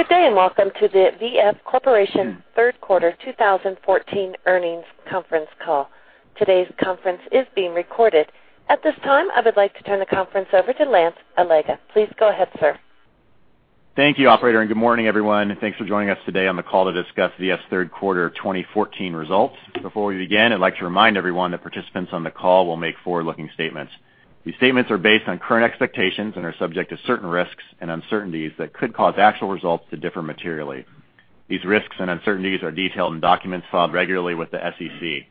Good day. Welcome to the V.F. Corporation third quarter 2014 earnings conference call. Today's conference is being recorded. At this time, I would like to turn the conference over to Lance Allega. Please go ahead, sir. Thank you, operator. Good morning, everyone. Thanks for joining us today on the call to discuss V.F.'s third quarter 2014 results. Before we begin, I'd like to remind everyone that participants on the call will make forward-looking statements. These statements are based on current expectations and are subject to certain risks and uncertainties that could cause actual results to differ materially. These risks and uncertainties are detailed in documents filed regularly with the SEC.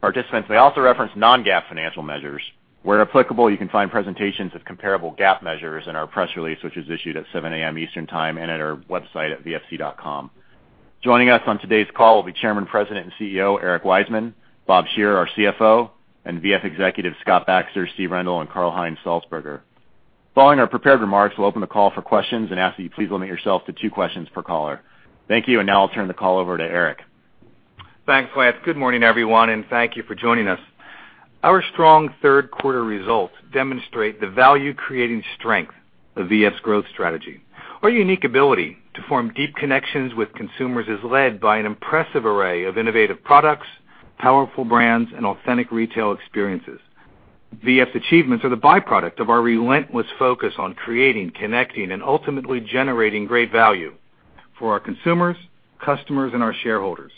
Participants may also reference non-GAAP financial measures. Where applicable, you can find presentations of comparable GAAP measures in our press release, which was issued at 7:00 A.M. Eastern Time and at our website at vfc.com. Joining us on today's call will be Chairman, President, and CEO, Eric Wiseman; Bob Shearer, our CFO; and V.F. executives Scott Baxter, Steve Rendle, and Karl-Heinz Salzburger. Following our prepared remarks, we'll open the call for questions and ask that you please limit yourself to two questions per caller. Thank you. Now I'll turn the call over to Eric. Thanks, Lance. Good morning, everyone. Thank you for joining us. Our strong third quarter results demonstrate the value-creating strength of V.F.'s growth strategy. Our unique ability to form deep connections with consumers is led by an impressive array of innovative products, powerful brands, and authentic retail experiences. V.F.'s achievements are the byproduct of our relentless focus on creating, connecting, and ultimately generating great value for our consumers, customers, and our shareholders.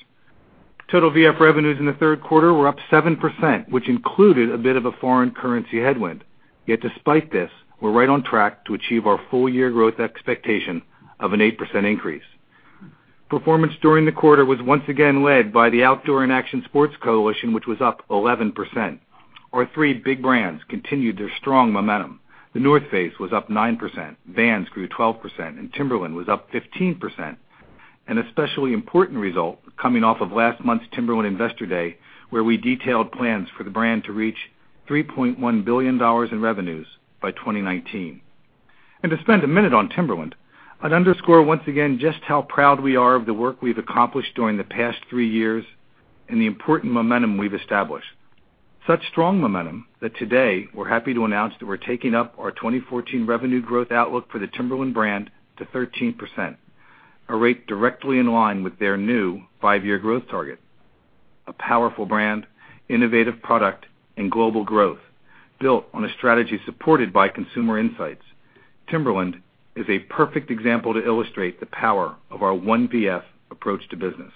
Total V.F. revenues in the third quarter were up 7%, which included a bit of a foreign currency headwind. Despite this, we're right on track to achieve our full-year growth expectation of an 8% increase. Performance during the quarter was once again led by the outdoor and action sports coalition, which was up 11%. Our three big brands continued their strong momentum. The North Face was up 9%, Vans grew 12%, and Timberland was up 15%. An especially important result coming off of last month's Timberland Investor Day, where we detailed plans for the brand to reach $3.1 billion in revenues by 2019. To spend a minute on Timberland, I'd underscore once again just how proud we are of the work we've accomplished during the past three years and the important momentum we've established. Such strong momentum that today we're happy to announce that we're taking up our 2014 revenue growth outlook for the Timberland brand to 13%, a rate directly in line with their new five-year growth target. A powerful brand, innovative product, global growth built on a strategy supported by consumer insights. Timberland is a perfect example to illustrate the power of our one V.F. approach to business.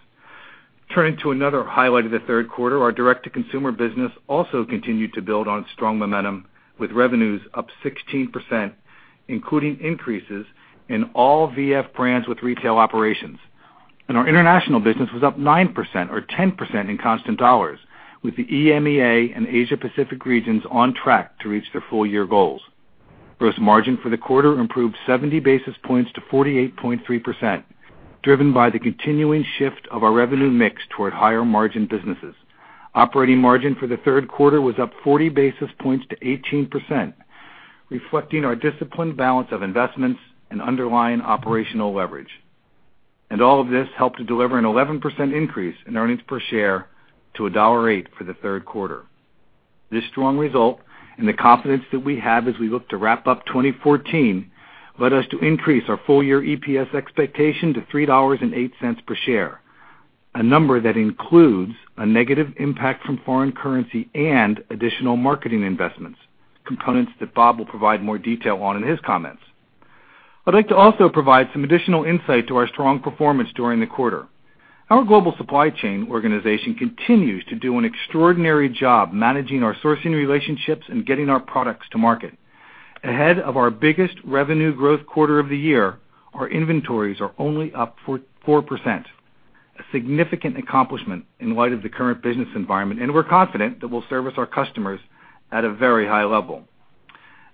Turning to another highlight of the third quarter, our direct-to-consumer business also continued to build on strong momentum with revenues up 16%, including increases in all V.F. brands with retail operations. Our international business was up 9%, or 10% in constant dollars, with the EMEA and Asia Pacific regions on track to reach their full-year goals. Gross margin for the quarter improved 70 basis points to 48.3%, driven by the continuing shift of our revenue mix toward higher-margin businesses. Operating margin for the third quarter was up 40 basis points to 18%, reflecting our disciplined balance of investments and underlying operational leverage. All of this helped to deliver an 11% increase in earnings per share to $1.08 for the third quarter. This strong result and the confidence that we have as we look to wrap up 2014 led us to increase our full-year EPS expectation to $3.08 per share, a number that includes a negative impact from foreign currency and additional marketing investments, components that Bob will provide more detail on in his comments. I'd like to also provide some additional insight to our strong performance during the quarter. Our global supply chain organization continues to do an extraordinary job managing our sourcing relationships and getting our products to market. Ahead of our biggest revenue growth quarter of the year, our inventories are only up 4%, a significant accomplishment in light of the current business environment, and we're confident that we'll service our customers at a very high level.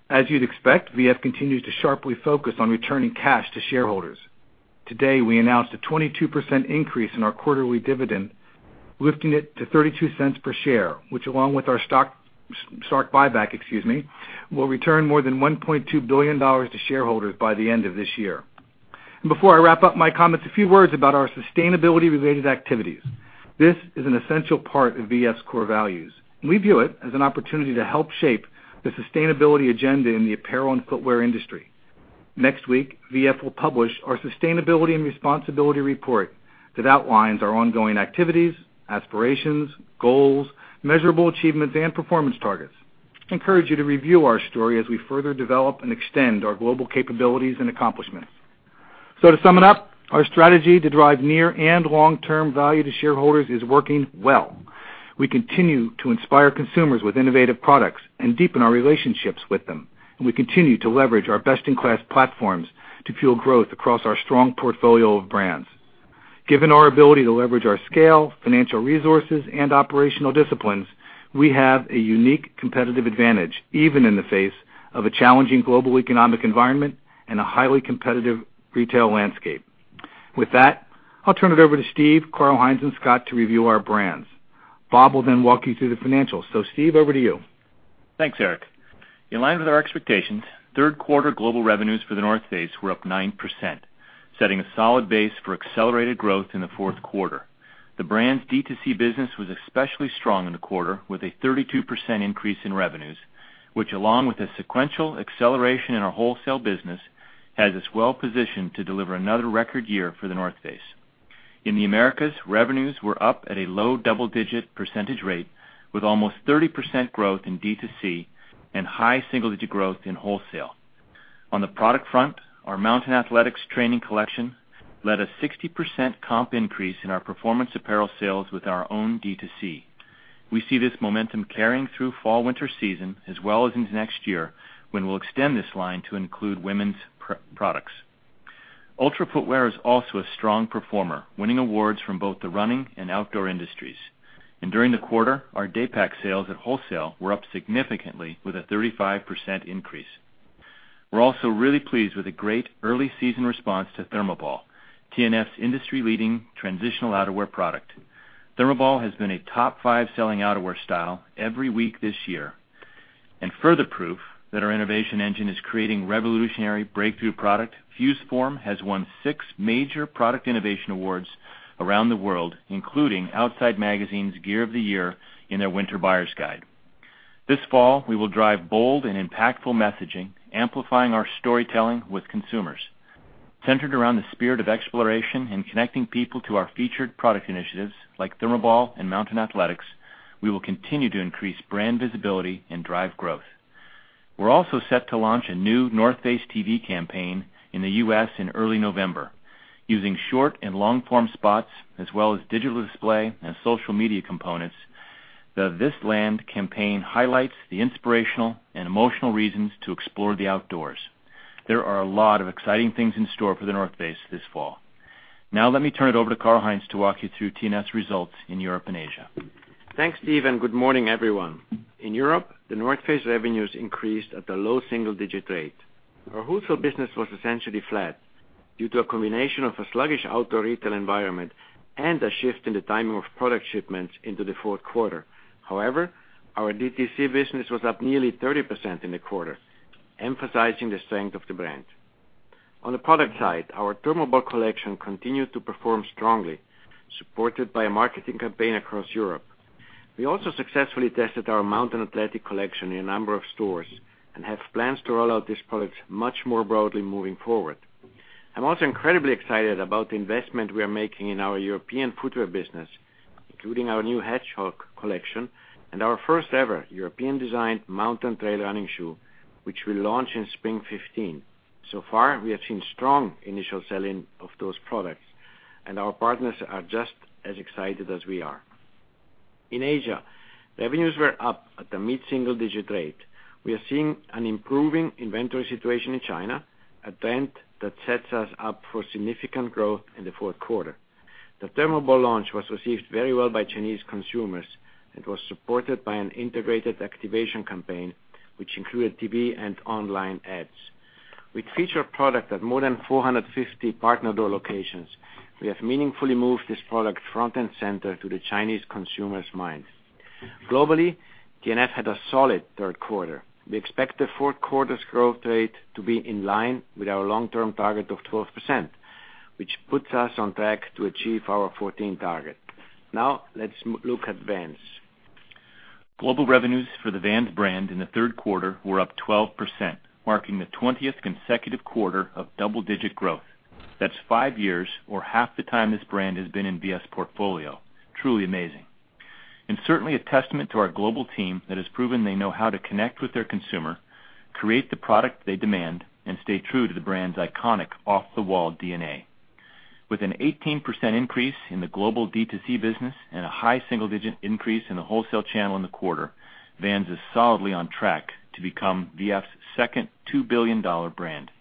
As you'd expect, V.F. continues to sharply focus on returning cash to shareholders. Today, we announced a 22% increase in our quarterly dividend, lifting it to $0.32 per share, which along with our stock buyback, excuse me, will return more than $1.2 billion to shareholders by the end of this year. Before I wrap up my comments, a few words about our sustainability-related activities. This is an essential part of V.F.'s core values. We view it as an opportunity to help shape the sustainability agenda in the apparel and footwear industry. Next week, V.F. will publish our sustainability and responsibility report that outlines our ongoing activities, aspirations, goals, measurable achievements, and performance targets. I encourage you to review our story as we further develop and extend our global capabilities and accomplishments. To sum it up, our strategy to drive near and long-term value to shareholders is working well. We continue to inspire consumers with innovative products and deepen our relationships with them. We continue to leverage our best-in-class platforms to fuel growth across our strong portfolio of brands. Given our ability to leverage our scale, financial resources, and operational disciplines, we have a unique competitive advantage, even in the face of a challenging global economic environment and a highly competitive retail landscape. With that, I'll turn it over to Steve, Karl-Heinz, and Scott to review our brands. Bob will then walk you through the financials. Steve, over to you. Thanks, Eric. In line with our expectations, third quarter global revenues for The North Face were up 9%, setting a solid base for accelerated growth in the fourth quarter. The brand's D2C business was especially strong in the quarter, with a 32% increase in revenues, which along with a sequential acceleration in our wholesale business, has us well-positioned to deliver another record year for The North Face. In the Americas, revenues were up at a low double-digit percentage rate, with almost 30% growth in D2C and high single-digit growth in wholesale. On the product front, our Mountain Athletics training collection led a 60% comp increase in our performance apparel sales with our own D2C. We see this momentum carrying through fall/winter season as well as into next year, when we'll extend this line to include women's products. Ultra Footwear is also a strong performer, winning awards from both the running and outdoor industries. During the quarter, our daypack sales at wholesale were up significantly with a 35% increase. We're also really pleased with the great early season response to ThermoBall, TNF's industry-leading transitional outerwear product. ThermoBall has been a top five selling outerwear style every week this year. Further proof that our innovation engine is creating revolutionary breakthrough product, FuseForm has won six major product innovation awards around the world, including Outside Magazine's Gear of the Year in their Winter Buyer's Guide. This fall, we will drive bold and impactful messaging, amplifying our storytelling with consumers. Centered around the spirit of exploration and connecting people to our featured product initiatives like ThermoBall and Mountain Athletics, we will continue to increase brand visibility and drive growth. We're also set to launch a new North Face TV campaign in the U.S. in early November. Using short and long-form spots, as well as digital display and social media components, the This Land campaign highlights the inspirational and emotional reasons to explore the outdoors. There are a lot of exciting things in store for The North Face this fall. Let me turn it over to Karl-Heinz to walk you through TNF's results in Europe and Asia. Thanks, Steve. Good morning, everyone. In Europe, The North Face revenues increased at a low single-digit rate. Our wholesale business was essentially flat due to a combination of a sluggish outdoor retail environment and a shift in the timing of product shipments into the fourth quarter. However, our D2C business was up nearly 30% in the quarter, emphasizing the strength of the brand. On the product side, our ThermoBall collection continued to perform strongly, supported by a marketing campaign across Europe. We also successfully tested our Mountain Athletics collection in a number of stores and have plans to roll out this product much more broadly moving forward. I'm also incredibly excited about the investment we are making in our European footwear business, including our new Hedgehog collection and our first ever European-designed mountain trail running shoe, which we'll launch in spring 2015. Far, we have seen strong initial selling of those products, and our partners are just as excited as we are. In Asia, revenues were up at the mid-single digit rate. We are seeing an improving inventory situation in China, a trend that sets us up for significant growth in the fourth quarter. The ThermoBall launch was received very well by Chinese consumers. It was supported by an integrated activation campaign, which included TV and online ads. With featured product at more than 450 partner door locations, we have meaningfully moved this product front and center to the Chinese consumers' minds. Globally, TNF had a solid third quarter. We expect the fourth quarter's growth rate to be in line with our long-term target of 12%, which puts us on track to achieve our 2014 target. Let's look at Vans. Global revenues for the Vans brand in the third quarter were up 12%, marking the 20th consecutive quarter of double-digit growth. That's five years, or half the time this brand has been in VF's portfolio. Truly amazing. Certainly a testament to our global team that has proven they know how to connect with their consumer, create the product they demand, and stay true to the brand's iconic off-the-wall DNA. With an 18% increase in the global D2C business and a high single-digit increase in the wholesale channel in the quarter, Vans is solidly on track to become VF's second $2 billion brand.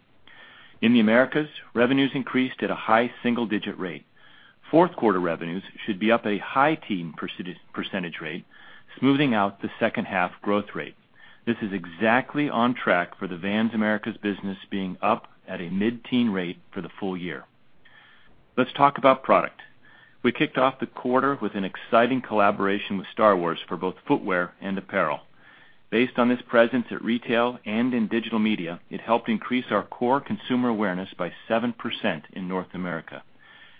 In the Americas, revenues increased at a high single-digit rate. Fourth quarter revenues should be up a high teen percentage rate, smoothing out the second half growth rate. This is exactly on track for the Vans Americas business being up at a mid-teen rate for the full year. Let's talk about product. We kicked off the quarter with an exciting collaboration with Star Wars for both footwear and apparel. Based on this presence at retail and in digital media, it helped increase our core consumer awareness by 7% in North America.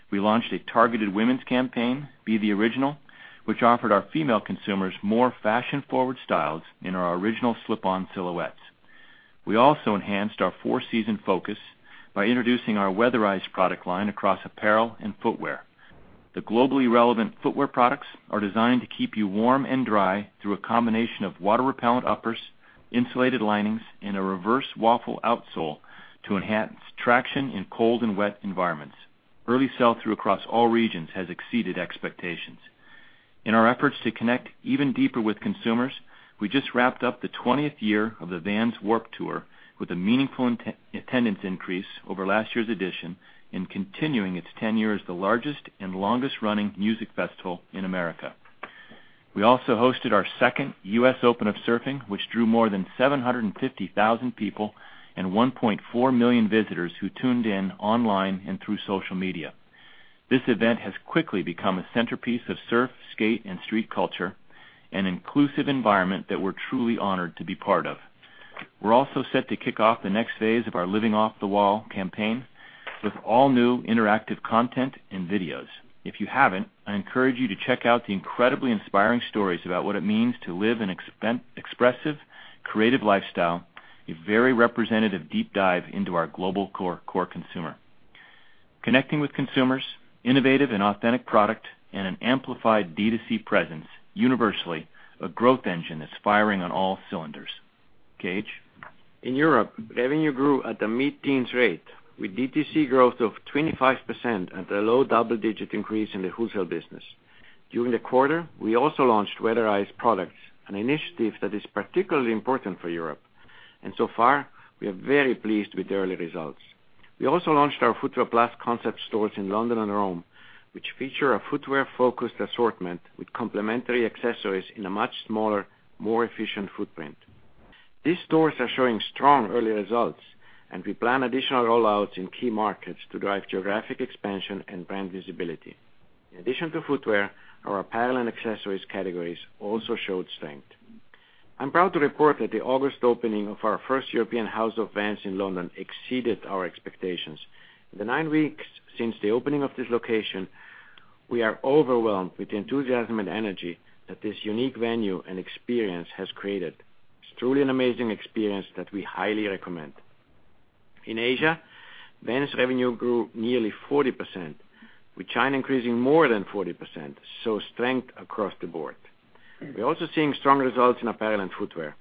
We launched a targeted women's campaign, Be the Original, which offered our female consumers more fashion-forward styles in our original slip-on silhouettes. We also enhanced our four-season focus by introducing our weatherized product line across apparel and footwear. The globally relevant footwear products are designed to keep you warm and dry through a combination of water-repellent uppers, insulated linings, and a reverse waffle outsole to enhance traction in cold and wet environments. Early sell-through across all regions has exceeded expectations. In our efforts to connect even deeper with consumers, we just wrapped up the 20th year of the Vans Warped Tour with a meaningful attendance increase over last year's edition and continuing its 10-year as the largest and longest-running music festival in America. We also hosted our second US Open of Surfing, which drew more than 750,000 people and 1.4 million visitors who tuned in online and through social media. This event has quickly become a centerpiece of surf, skate, and street culture, an inclusive environment that we're truly honored to be part of. We're also set to kick off the next phase of our Living Off The Wall campaign with all new interactive content and videos. If you haven't, I encourage you to check out the incredibly inspiring stories about what it means to live an expressive, creative lifestyle, a very representative deep dive into our global core consumer. Connecting with consumers, innovative and authentic product, and an amplified D2C presence, universally, a growth engine that's firing on all cylinders. KH. In Europe, revenue grew at the mid-teens rate, with DTC growth of 25% and a low double-digit increase in the wholesale business. During the quarter, we also launched weatherized products, an initiative that is particularly important for Europe. So far, we are very pleased with the early results. We also launched our footwear-plus concept stores in London and Rome, which feature a footwear-focused assortment with complementary accessories in a much smaller, more efficient footprint. These stores are showing strong early results, and we plan additional rollouts in key markets to drive geographic expansion and brand visibility. In addition to footwear, our apparel and accessories categories also showed strength. I'm proud to report that the August opening of our first European House of Vans in London exceeded our expectations. In the nine weeks since the opening of this location, we are overwhelmed with the enthusiasm and energy that this unique venue and experience has created. It's truly an amazing experience that we highly recommend. In Asia, Vans revenue grew nearly 40%, with China increasing more than 40%, so strength across the board. We're also seeing strong results in apparel and footwear.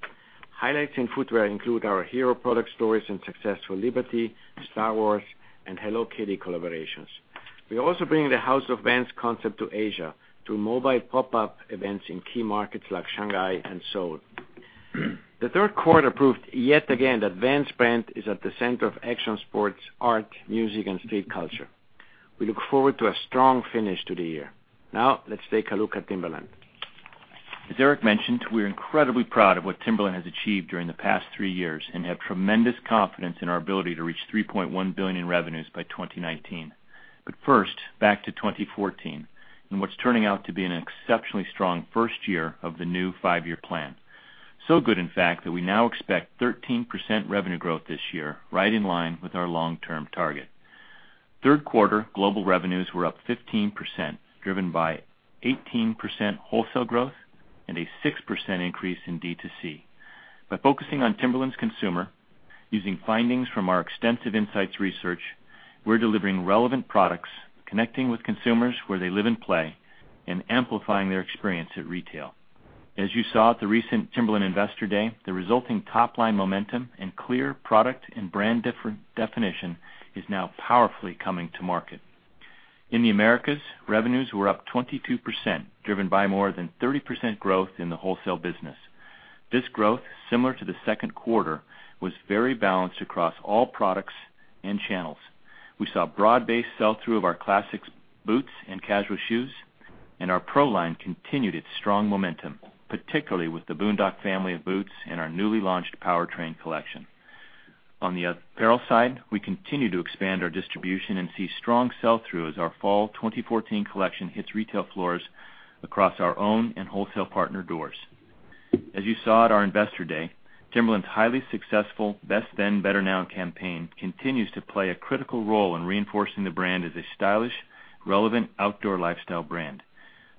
Highlights in footwear include our hero product stories and successful Liberty, Star Wars, and Hello Kitty collaborations. We're also bringing the House of Vans concept to Asia through mobile pop-up events in key markets like Shanghai and Seoul. The third quarter proved yet again that Vans' brand is at the center of action sports, art, music and street culture. We look forward to a strong finish to the year. Let's take a look at Timberland. As Eric mentioned, we're incredibly proud of what Timberland has achieved during the past three years and have tremendous confidence in our ability to reach $3.1 billion in revenues by 2019. First, back to 2014, and what's turning out to be an exceptionally strong first year of the new five-year plan. Good, in fact, that we now expect 13% revenue growth this year, right in line with our long-term target. Third quarter global revenues were up 15%, driven by 18% wholesale growth and a 6% increase in D2C. By focusing on Timberland's consumer, using findings from our extensive insights research, we're delivering relevant products, connecting with consumers where they live and play, and amplifying their experience at retail. As you saw at the recent Timberland Investor Day, the resulting top-line momentum and clear product and brand definition is now powerfully coming to market. In the Americas, revenues were up 22%, driven by more than 30% growth in the wholesale business. This growth, similar to the second quarter, was very balanced across all products and channels. We saw broad-based sell-through of our classics boots and casual shoes, and our PRO line continued its strong momentum, particularly with the Boondock family of boots and our newly launched Powertrain collection. On the apparel side, we continue to expand our distribution and see strong sell-through as our fall 2014 collection hits retail floors across our own and wholesale partner doors. As you saw at our Investor Day, Timberland's highly successful Best Then, Better Now campaign continues to play a critical role in reinforcing the brand as a stylish, relevant outdoor lifestyle brand.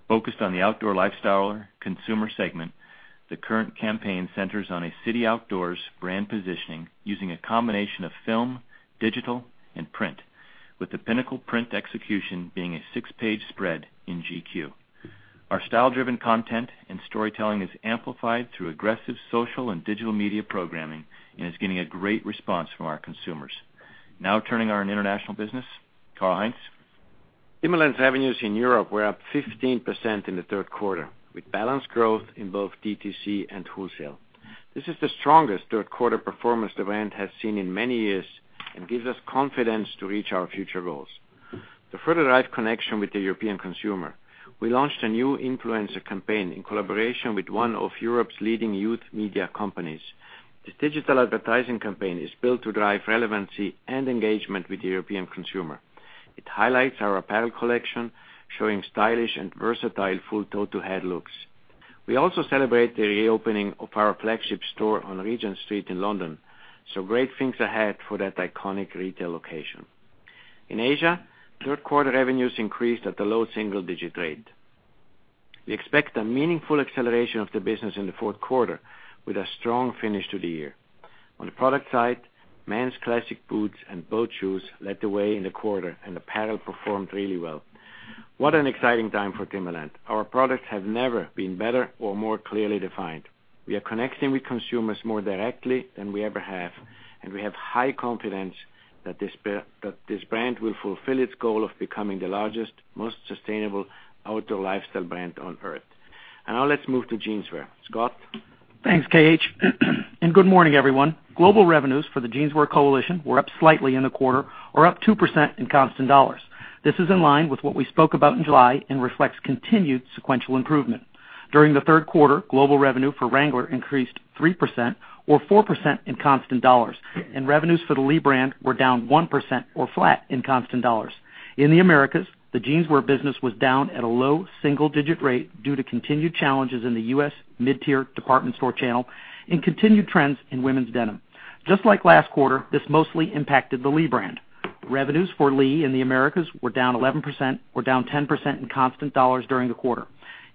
Focused on the outdoor lifestyle consumer segment, the current campaign centers on a city outdoors brand positioning using a combination of film, digital, and print, with the pinnacle print execution being a six-page spread in GQ. Our style-driven content and storytelling is amplified through aggressive social and digital media programming and is getting a great response from our consumers. Turning our international business, Karl-Heinz. Timberland's revenues in Europe were up 15% in the third quarter, with balanced growth in both D2C and wholesale. This is the strongest third quarter performance the brand has seen in many years and gives us confidence to reach our future goals. To further the right connection with the European consumer, we launched a new influencer campaign in collaboration with one of Europe's leading youth media companies. This digital advertising campaign is built to drive relevancy and engagement with the European consumer. It highlights our apparel collection, showing stylish and versatile full toe-to-head looks. We also celebrate the reopening of our flagship store on Regent Street in London, so great things ahead for that iconic retail location. In Asia, third quarter revenues increased at the low single digit rate. We expect a meaningful acceleration of the business in the fourth quarter with a strong finish to the year. On the product side, men's classic boots and boat shoes led the way in the quarter, and apparel performed really well. What an exciting time for Timberland. Our products have never been better or more clearly defined. We are connecting with consumers more directly than we ever have, and we have high confidence that this brand will fulfill its goal of becoming the largest, most sustainable outdoor lifestyle brand on Earth. Now let's move to Jeanswear. Scott. Thanks, KH. Good morning, everyone. Global revenues for the Jeanswear Coalition were up slightly in the quarter or up 2% in constant dollars. This is in line with what we spoke about in July and reflects continued sequential improvement. During the third quarter, global revenue for Wrangler increased 3% or 4% in constant dollars, and revenues for the Lee brand were down 1% or flat in constant dollars. In the Americas, the jeanswear business was down at a low single-digit rate due to continued challenges in the U.S. mid-tier department store channel and continued trends in women's denim. Just like last quarter, this mostly impacted the Lee brand. Revenues for Lee in the Americas were down 11%, or down 10% in constant dollars during the quarter,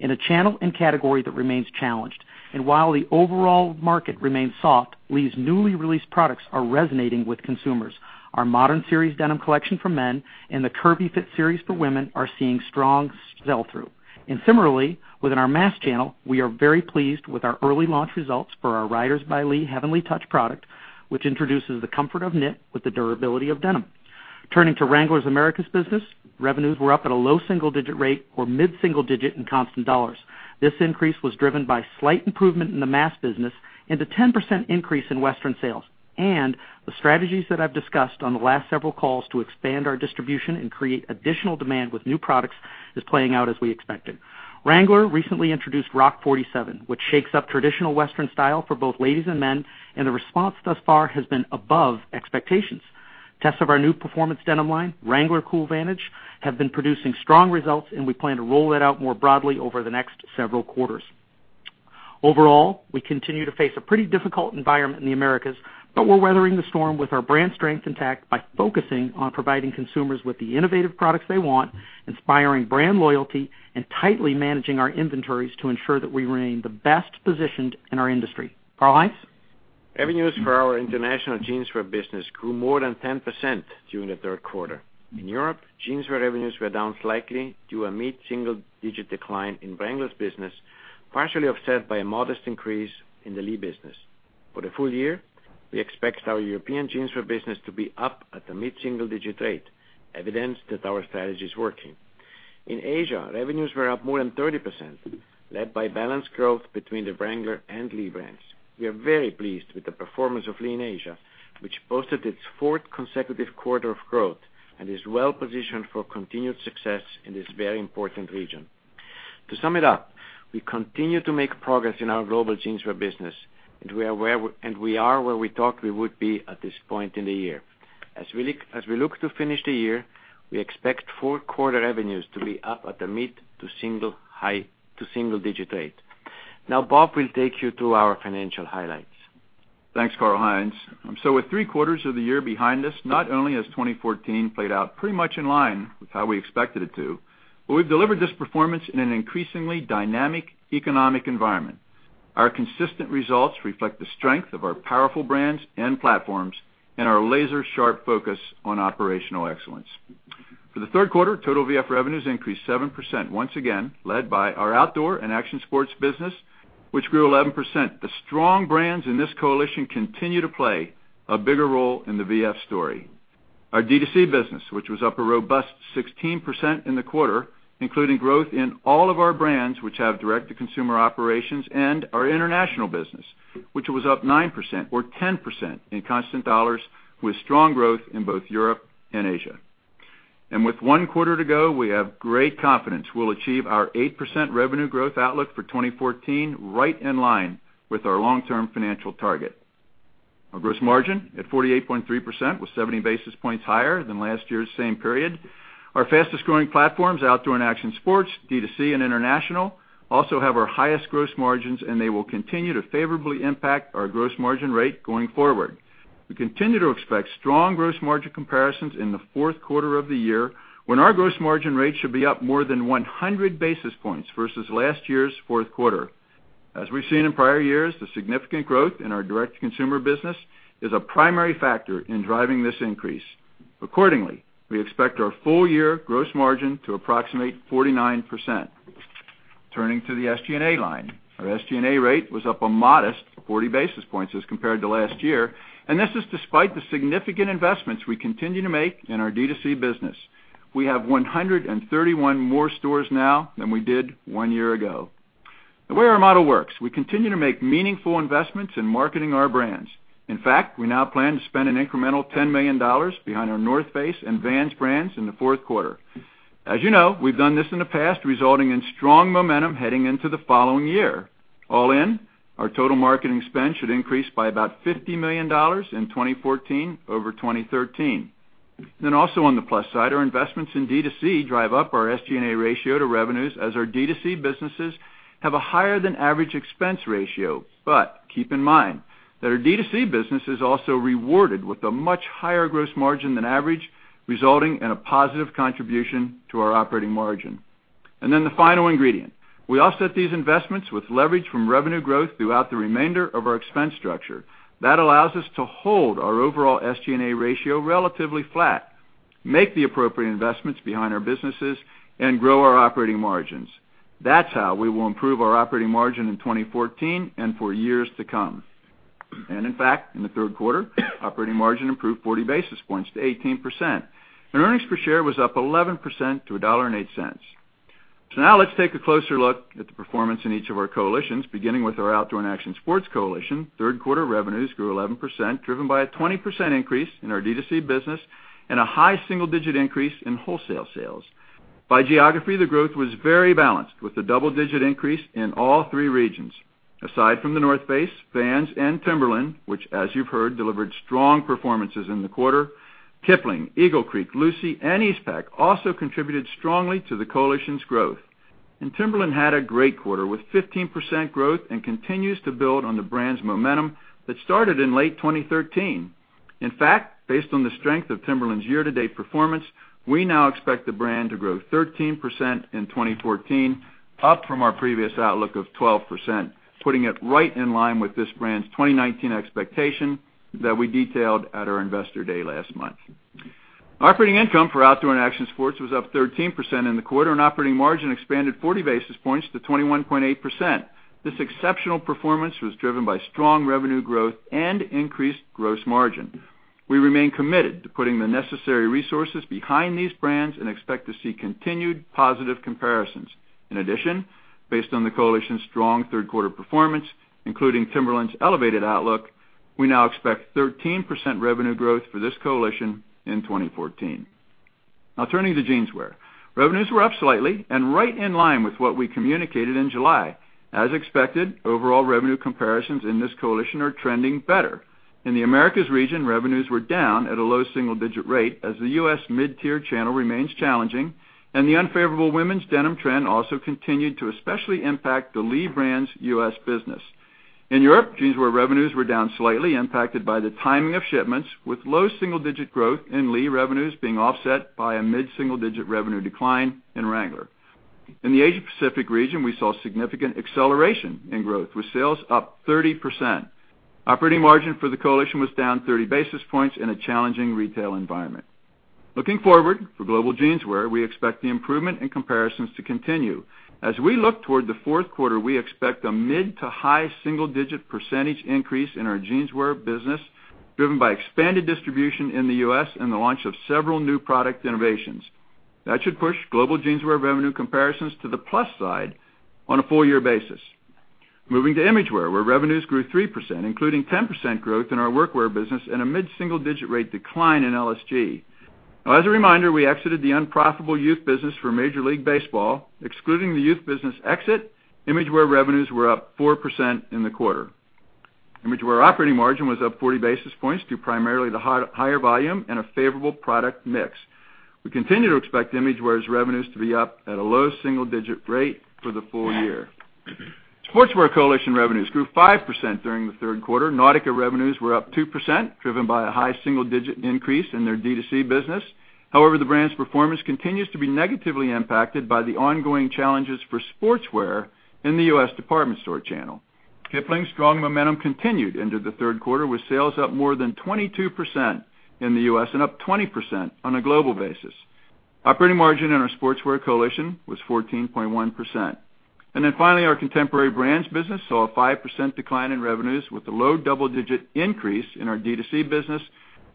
in a channel and category that remains challenged. While the overall market remains soft, Lee's newly released products are resonating with consumers. Our Modern Series denim collection for men and the Curvy Fit series for women are seeing strong sell-through. Similarly, within our mass channel, we are very pleased with our early launch results for our Riders by Lee Heavenly Touch product, which introduces the comfort of knit with the durability of denim. Turning to Wrangler's Americas business, revenues were up at a low single-digit rate or mid-single digit in constant dollars. This increase was driven by slight improvement in the mass business and a 10% increase in Western sales. The strategies that I've discussed on the last several calls to expand our distribution and create additional demand with new products is playing out as we expected. Wrangler recently introduced Rock 47, which shakes up traditional Western style for both ladies and men, and the response thus far has been above expectations. Tests of our new performance denim line, Wrangler Cool Vantage, have been producing strong results, and we plan to roll that out more broadly over the next several quarters. Overall, we continue to face a pretty difficult environment in the Americas, but we're weathering the storm with our brand strength intact by focusing on providing consumers with the innovative products they want, inspiring brand loyalty, and tightly managing our inventories to ensure that we remain the best positioned in our industry. Karl-Heinz? Revenues for our international Jeanswear business grew more than 10% during the third quarter. In Europe, Jeanswear revenues were down slightly to a mid-single-digit decline in Wrangler's business, partially offset by a modest increase in the Lee business. For the full year, we expect our European Jeanswear business to be up at a mid-single-digit rate, evidence that our strategy is working. In Asia, revenues were up more than 30%, led by balanced growth between the Wrangler and Lee brands. We are very pleased with the performance of Lee in Asia, which posted its fourth consecutive quarter of growth and is well-positioned for continued success in this very important region. To sum it up, we continue to make progress in our global Jeanswear business, and we are where we thought we would be at this point in the year. As we look to finish the year, we expect full quarter revenues to be up at a mid to high single-digit rate. Bob will take you through our financial highlights. Thanks, Karl-Heinz. With three quarters of the year behind us, not only has 2014 played out pretty much in line with how we expected it to, but we've delivered this performance in an increasingly dynamic economic environment. Our consistent results reflect the strength of our powerful brands and platforms and our laser-sharp focus on operational excellence. For the third quarter, total VF revenues increased 7%, once again led by our outdoor and action sports business, which grew 11%. The strong brands in this coalition continue to play a bigger role in the VF story. Our D2C business, which was up a robust 16% in the quarter, including growth in all of our brands which have direct-to-consumer operations, and our international business, which was up 9%, or 10% in constant dollars, with strong growth in both Europe and Asia. With one quarter to go, we have great confidence we'll achieve our 8% revenue growth outlook for 2014, right in line with our long-term financial target. Our gross margin at 48.3% was 70 basis points higher than last year's same period. Our fastest-growing platforms, outdoor and action sports, D2C, and international, also have our highest gross margins, and they will continue to favorably impact our gross margin rate going forward. We continue to expect strong gross margin comparisons in the fourth quarter of the year, when our gross margin rate should be up more than 100 basis points versus last year's fourth quarter. As we've seen in prior years, the significant growth in our direct consumer business is a primary factor in driving this increase. Accordingly, we expect our full-year gross margin to approximate 49%. Turning to the SG&A line. Our SG&A rate was up a modest 40 basis points as compared to last year, this is despite the significant investments we continue to make in our D2C business. We have 131 more stores now than we did one year ago. The way our model works, we continue to make meaningful investments in marketing our brands. In fact, we now plan to spend an incremental $10 million behind our The North Face and Vans brands in the fourth quarter. As you know, we've done this in the past, resulting in strong momentum heading into the following year. All in, our total marketing spend should increase by about $50 million in 2014 over 2013. Also on the plus side, our investments in D2C drive up our SG&A ratio to revenues as our D2C businesses have a higher-than-average expense ratio. Keep in mind that our D2C business is also rewarded with a much higher gross margin than average, resulting in a positive contribution to our operating margin. The final ingredient. We offset these investments with leverage from revenue growth throughout the remainder of our expense structure. That allows us to hold our overall SG&A ratio relatively flat, make the appropriate investments behind our businesses, and grow our operating margins. That's how we will improve our operating margin in 2014 and for years to come. In fact, in the third quarter, operating margin improved 40 basis points to 18%. Earnings per share was up 11% to $1.08. Now let's take a closer look at the performance in each of our coalitions, beginning with our outdoor and action sports coalition. Third quarter revenues grew 11%, driven by a 20% increase in our D2C business and a high single-digit increase in wholesale sales. By geography, the growth was very balanced, with a double-digit increase in all three regions. Aside from The North Face, Vans, and Timberland, which as you've heard, delivered strong performances in the quarter, Kipling, Eagle Creek, lucy, and Eastpak also contributed strongly to the coalition's growth. Timberland had a great quarter, with 15% growth, and continues to build on the brand's momentum that started in late 2013. In fact, based on the strength of Timberland's year-to-date performance, we now expect the brand to grow 13% in 2014, up from our previous outlook of 12%, putting it right in line with this brand's 2019 expectation that we detailed at our Investor Day last month. Operating income for outdoor and action sports was up 13% in the quarter, operating margin expanded 40 basis points to 21.8%. This exceptional performance was driven by strong revenue growth and increased gross margin. We remain committed to putting the necessary resources behind these brands and expect to see continued positive comparisons. In addition, based on the coalition's strong third quarter performance, including Timberland's elevated outlook, we now expect 13% revenue growth for this coalition in 2014. Turning to Jeanswear. Revenues were up slightly and right in line with what we communicated in July. As expected, overall revenue comparisons in this coalition are trending better. In the Americas region, revenues were down at a low single-digit rate as the U.S. mid-tier channel remains challenging, and the unfavorable women's denim trend also continued to especially impact the Lee brand's U.S. business. In Europe, Jeanswear revenues were down slightly, impacted by the timing of shipments, with low single-digit growth in Lee revenues being offset by a mid-single-digit revenue decline in Wrangler. In the Asia Pacific region, we saw significant acceleration in growth, with sales up 30%. Operating margin for the coalition was down 30 basis points in a challenging retail environment. Looking forward, for global Jeanswear, we expect the improvement in comparisons to continue. As we look toward the fourth quarter, we expect a mid to high single-digit percentage increase in our Jeanswear business, driven by expanded distribution in the U.S. and the launch of several new product innovations. Should push global Jeanswear revenue comparisons to the plus side on a full year basis. Moving to Imagewear, where revenues grew 3%, including 10% growth in our workwear business and a mid-single-digit rate decline in LSG. As a reminder, we exited the unprofitable youth business for Major League Baseball. Excluding the youth business exit, Imagewear revenues were up 4% in the quarter. Imagewear operating margin was up 40 basis points due primarily to higher volume and a favorable product mix. We continue to expect Imagewear's revenues to be up at a low single-digit rate for the full year. Sportswear coalition revenues grew 5% during the third quarter. Nautica revenues were up 2%, driven by a high single-digit increase in their D2C business. However, the brand's performance continues to be negatively impacted by the ongoing challenges for sportswear in the U.S. department store channel. Kipling's strong momentum continued into the third quarter, with sales up more than 22% in the U.S. and up 20% on a global basis. Operating margin in our Sportswear coalition was 14.1%. Finally, our Contemporary Brands business saw a 5% decline in revenues, with the low double-digit increase in our D2C business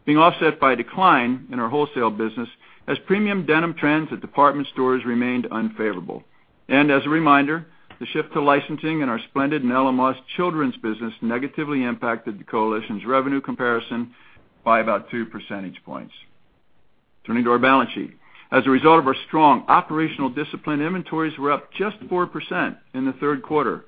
being offset by a decline in our wholesale business as premium denim trends at department stores remained unfavorable. As a reminder, the shift to licensing in our Splendid and Ella Moss children's business negatively impacted the coalition's revenue comparison by about 2 percentage points. Turning to our balance sheet. As a result of our strong operational discipline, inventories were up just 4% in the third quarter.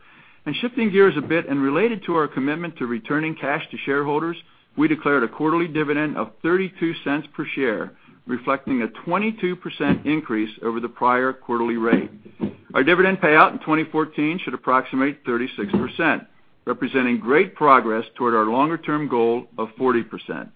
Shifting gears a bit and related to our commitment to returning cash to shareholders, we declared a quarterly dividend of $0.32 per share, reflecting a 22% increase over the prior quarterly rate. Our dividend payout in 2014 should approximate 36%, representing great progress toward our longer-term goal of 40%.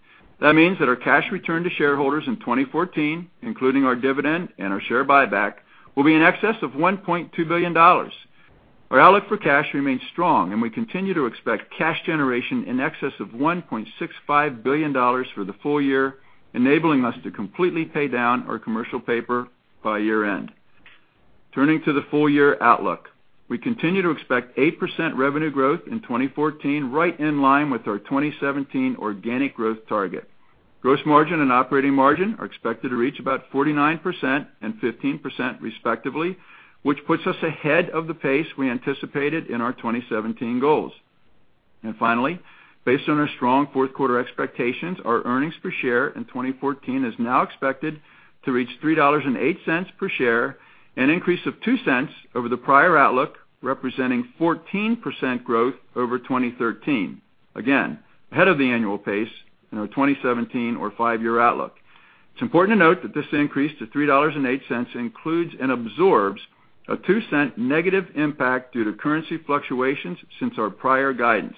Means that our cash return to shareholders in 2014, including our dividend and our share buyback, will be in excess of $1.2 billion. Our outlook for cash remains strong, and we continue to expect cash generation in excess of $1.65 billion for the full year, enabling us to completely pay down our commercial paper by year-end. Turning to the full-year outlook. We continue to expect 8% revenue growth in 2014, right in line with our 2017 organic growth target. Gross margin and operating margin are expected to reach about 49% and 15%, respectively, which puts us ahead of the pace we anticipated in our 2017 goals. Finally, based on our strong fourth quarter expectations, our earnings per share in 2014 is now expected to reach $3.08 per share, an increase of $0.02 over the prior outlook, representing 14% growth over 2013. Again, ahead of the annual pace in our 2017 or five-year outlook. It's important to note that this increase to $3.08 includes and absorbs a $0.02 negative impact due to currency fluctuations since our prior guidance.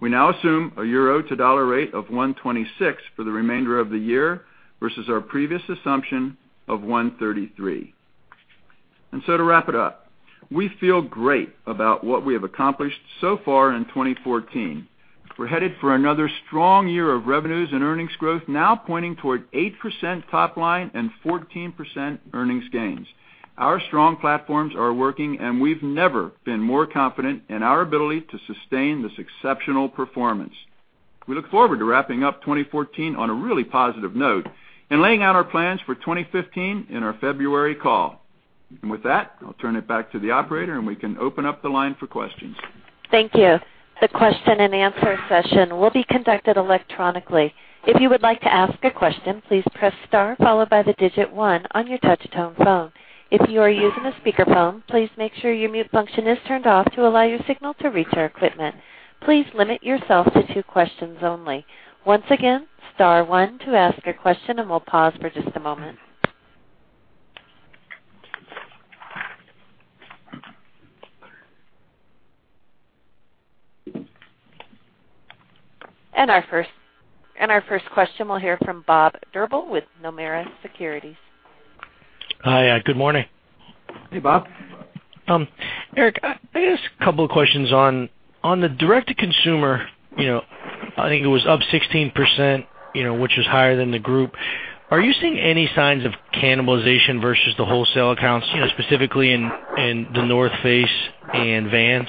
We now assume a EUR to USD rate of 126 for the remainder of the year, versus our previous assumption of 133. To wrap it up, we feel great about what we have accomplished so far in 2014. We're headed for another strong year of revenues and earnings growth, now pointing toward 8% top line and 14% earnings gains. Our strong platforms are working, and we've never been more confident in our ability to sustain this exceptional performance. We look forward to wrapping up 2014 on a really positive note and laying out our plans for 2015 in our February call. With that, I'll turn it back to the operator and we can open up the line for questions. Thank you. The question and answer session will be conducted electronically. If you would like to ask a question, please press star followed by the digit one on your touch-tone phone. If you are using a speakerphone, please make sure your mute function is turned off to allow your signal to reach our equipment. Please limit yourself to two questions only. Once again, star one to ask your question, and we'll pause for just a moment. Our first question, we'll hear from Bob Drbul with Nomura Securities. Hi. Good morning. Hey, Bob. Eric, I guess a couple of questions on the direct-to-consumer, I think it was up 16%, which is higher than the group. Are you seeing any signs of cannibalization versus the wholesale accounts, specifically in The North Face and Vans?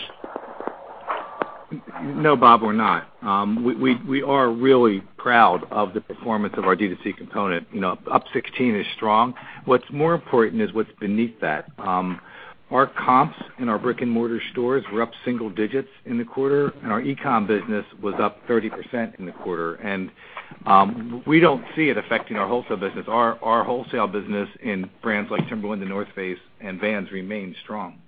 No, Bob, we're not. We are really proud of the performance of our D2C component. Up 16% is strong. What's more important is what's beneath that. Our comps in our brick-and-mortar stores were up single digits in the quarter, and our e-com business was up 30% in the quarter. We don't see it affecting our wholesale business. Our wholesale business in brands like Timberland, The North Face, and Vans remains strong.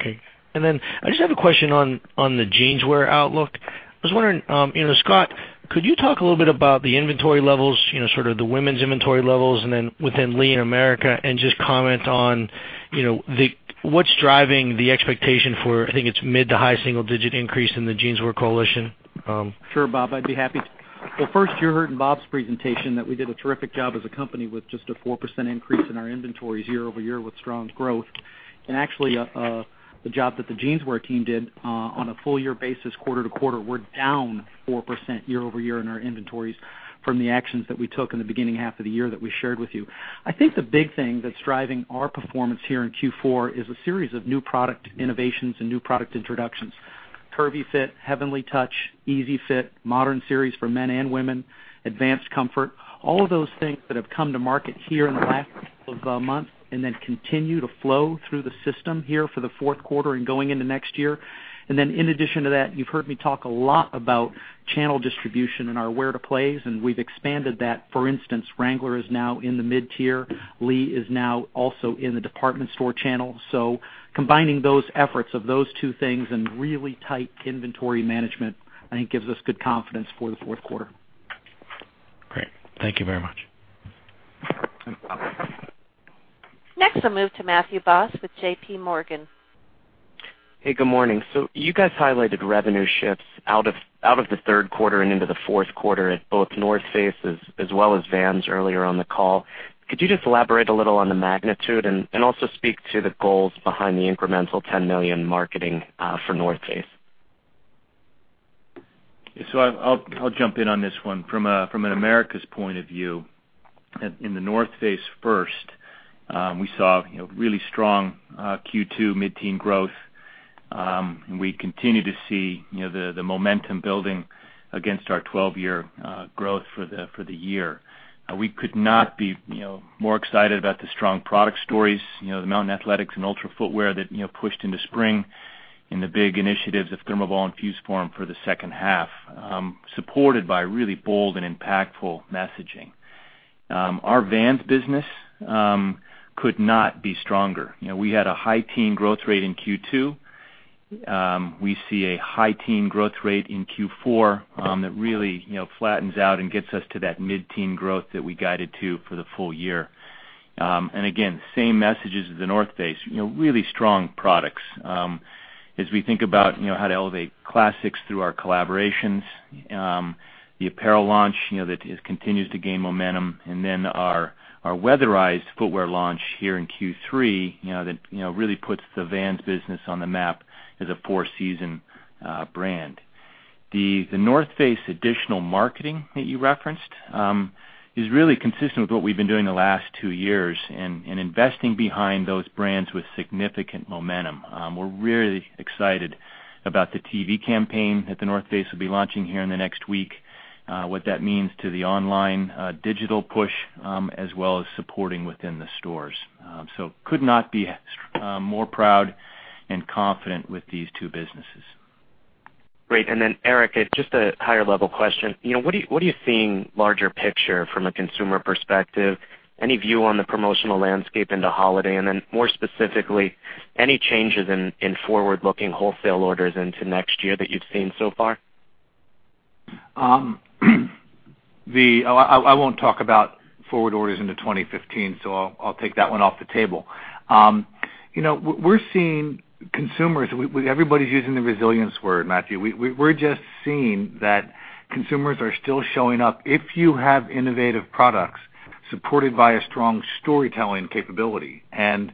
Okay. I just have a question on the jeanswear outlook. I was wondering, Scott, could you talk a little bit about the inventory levels, sort of the women's inventory levels, and then within Lee and America, and just comment on what's driving the expectation for, I think it's mid to high single-digit increase in the Jeanswear Coalition? Sure, Bob, I'd be happy to. You heard in Bob's presentation that we did a terrific job as a company with just a 4% increase in our inventories year-over-year with strong growth. The job that the Jeanswear team did on a full year basis, quarter-to-quarter, we're down 4% year-over-year in our inventories from the actions that we took in the beginning half of the year that we shared with you. I think the big thing that's driving our performance here in Q4 is a series of new product innovations and new product introductions. Curvy Fit, Heavenly Touch, Easy Fit, Modern Series for men and women, Advanced Comfort. All of those things that have come to market here in the last couple of months continue to flow through the system here for the fourth quarter and going into next year. In addition to that, you've heard me talk a lot about channel distribution and our where-to plays, and we've expanded that. For instance, Wrangler is now in the mid-tier. Lee is now also in the department store channel. Combining those efforts of those two things and really tight inventory management, I think gives us good confidence for the fourth quarter. Great. Thank you very much. Next, we'll move to Matthew Boss with J.P. Morgan. Hey, good morning. You guys highlighted revenue shifts out of the third quarter and into the fourth quarter at both The North Face as well as Vans earlier on the call. Could you just elaborate a little on the magnitude and also speak to the goals behind the incremental $10 million marketing for The North Face? I'll jump in on this one. From an Americas point of view, in The North Face first, we saw really strong Q2 mid-teen growth. We continue to see the momentum building against our 12-year growth for the year. We could not be more excited about the strong product stories, the Mountain Athletics and Ultra footwear that pushed into spring and the big initiatives of ThermoBall and FuseForm for the second half, supported by really bold and impactful messaging. Our Vans business could not be stronger. We had a high teen growth rate in Q2. We see a high teen growth rate in Q4 that really flattens out and gets us to that mid-teen growth that we guided to for the full year. Again, same messages as The North Face, really strong products. As we think about how to elevate classics through our collaborations, the apparel launch that continues to gain momentum, and then our weatherized footwear launch here in Q3 that really puts the Vans business on the map as a four-season brand. The North Face additional marketing that you referenced is really consistent with what we've been doing the last two years and investing behind those brands with significant momentum. We're really excited about the TV campaign that The North Face will be launching here in the next week, what that means to the online digital push, as well as supporting within the stores. Could not be more proud and confident with these two businesses. Great. Eric, just a higher level question. What are you seeing larger picture from a consumer perspective? Any view on the promotional landscape into holiday? More specifically, any changes in forward-looking wholesale orders into next year that you've seen so far? I won't talk about forward orders into 2015, so I'll take that one off the table. We're seeing consumers, everybody's using the resilience word, Matthew. We're just seeing that consumers are still showing up if you have innovative products supported by a strong storytelling capability. That's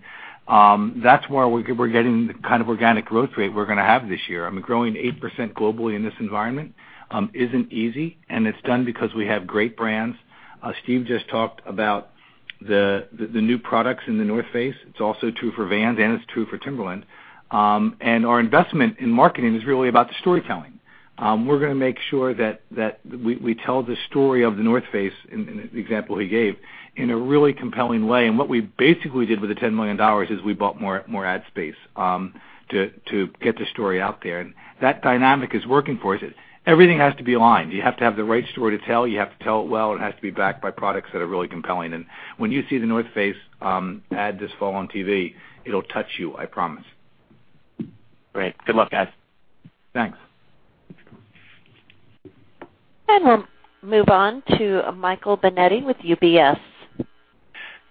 why we're getting the kind of organic growth rate we're going to have this year. I mean, growing 8% globally in this environment isn't easy, and it's done because we have great brands. Steve just talked about the new products in The North Face. It's also true for Vans, and it's true for Timberland. Our investment in marketing is really about the storytelling. We're going to make sure that we tell the story of The North Face, in the example he gave, in a really compelling way. What we basically did with the $10 million is we bought more ad space to get the story out there. That dynamic is working for us. Everything has to be aligned. You have to have the right story to tell, you have to tell it well, and it has to be backed by products that are really compelling. When you see The North Face ad this fall on TV, it'll touch you, I promise. Great. Good luck, guys. Thanks. We'll move on to Michael Binetti with UBS.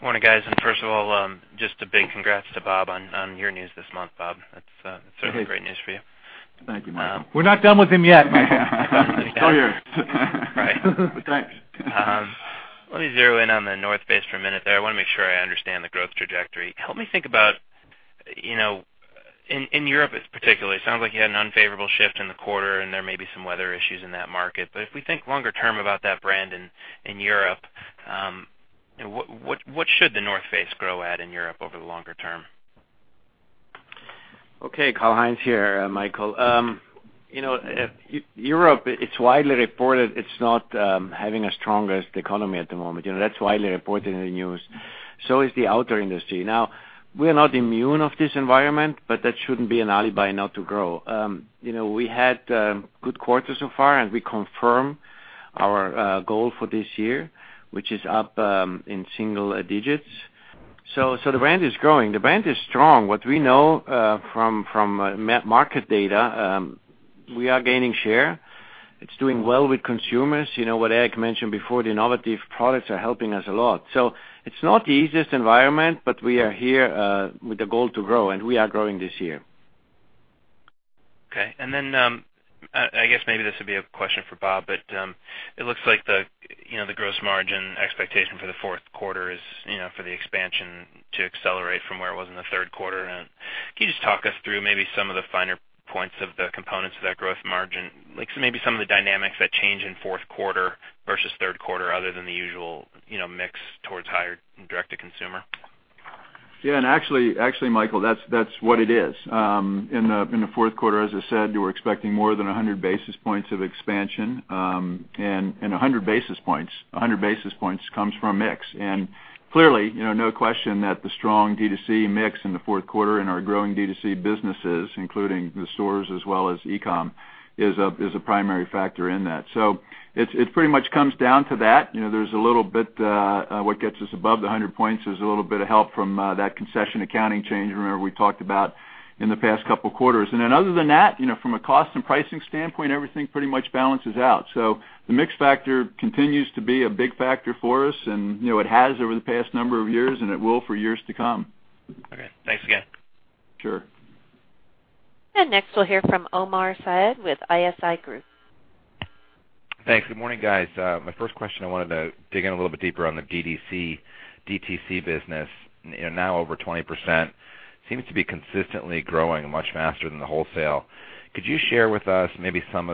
Morning, guys. First of all, just a big congrats to Bob on your news this month, Bob. That's certainly great news for you. Thank you, Michael. We're not done with him yet, Michael. He's all yours. Right. Thanks. Let me zero in on The North Face for a minute there. I want to make sure I understand the growth trajectory. Help me think about, in Europe particularly, it sounds like you had an unfavorable shift in the quarter, and there may be some weather issues in that market. If we think longer term about that brand in Europe, what should The North Face grow at in Europe over the longer term? Okay. Karl-Heinz here, Michael. Europe, it's widely reported it's not having as strong as the economy at the moment. That's widely reported in the news. Is the outdoor industry. We're not immune of this environment, but that shouldn't be an alibi not to grow. We had a good quarter so far, we confirm our goal for this year, which is up in single digits. The brand is growing. The brand is strong. What we know from market data, we are gaining share. It's doing well with consumers. What Eric mentioned before, the innovative products are helping us a lot. It's not the easiest environment, but we are here with the goal to grow, we are growing this year. Okay. I guess maybe this would be a question for Bob, it looks like the gross margin expectation for the fourth quarter is for the expansion to accelerate from where it was in the third quarter. Can you just talk us through maybe some of the finer points of the components of that growth margin? Like maybe some of the dynamics that change in fourth quarter versus third quarter, other than the usual mix towards higher direct-to-consumer. Yeah, actually, Michael, that's what it is. In the fourth quarter, as I said, we're expecting more than 100 basis points of expansion. 100 basis points comes from mix. Clearly, no question that the strong D2C mix in the fourth quarter and our growing D2C businesses, including the stores as well as e-com, is a primary factor in that. It pretty much comes down to that. What gets us above the 100 points is a little bit of help from that concession accounting change, remember we talked about in the past couple of quarters. Other than that, from a cost and pricing standpoint, everything pretty much balances out. The mix factor continues to be a big factor for us, and it has over the past number of years, and it will for years to come. Okay. Thanks again. Sure. Next, we'll hear from Omar Saad with ISI Group. Thanks. Good morning, guys. My first question, I wanted to dig in a little bit deeper on the DTC business. Now over 20%, seems to be consistently growing much faster than the wholesale. Could you share with us maybe some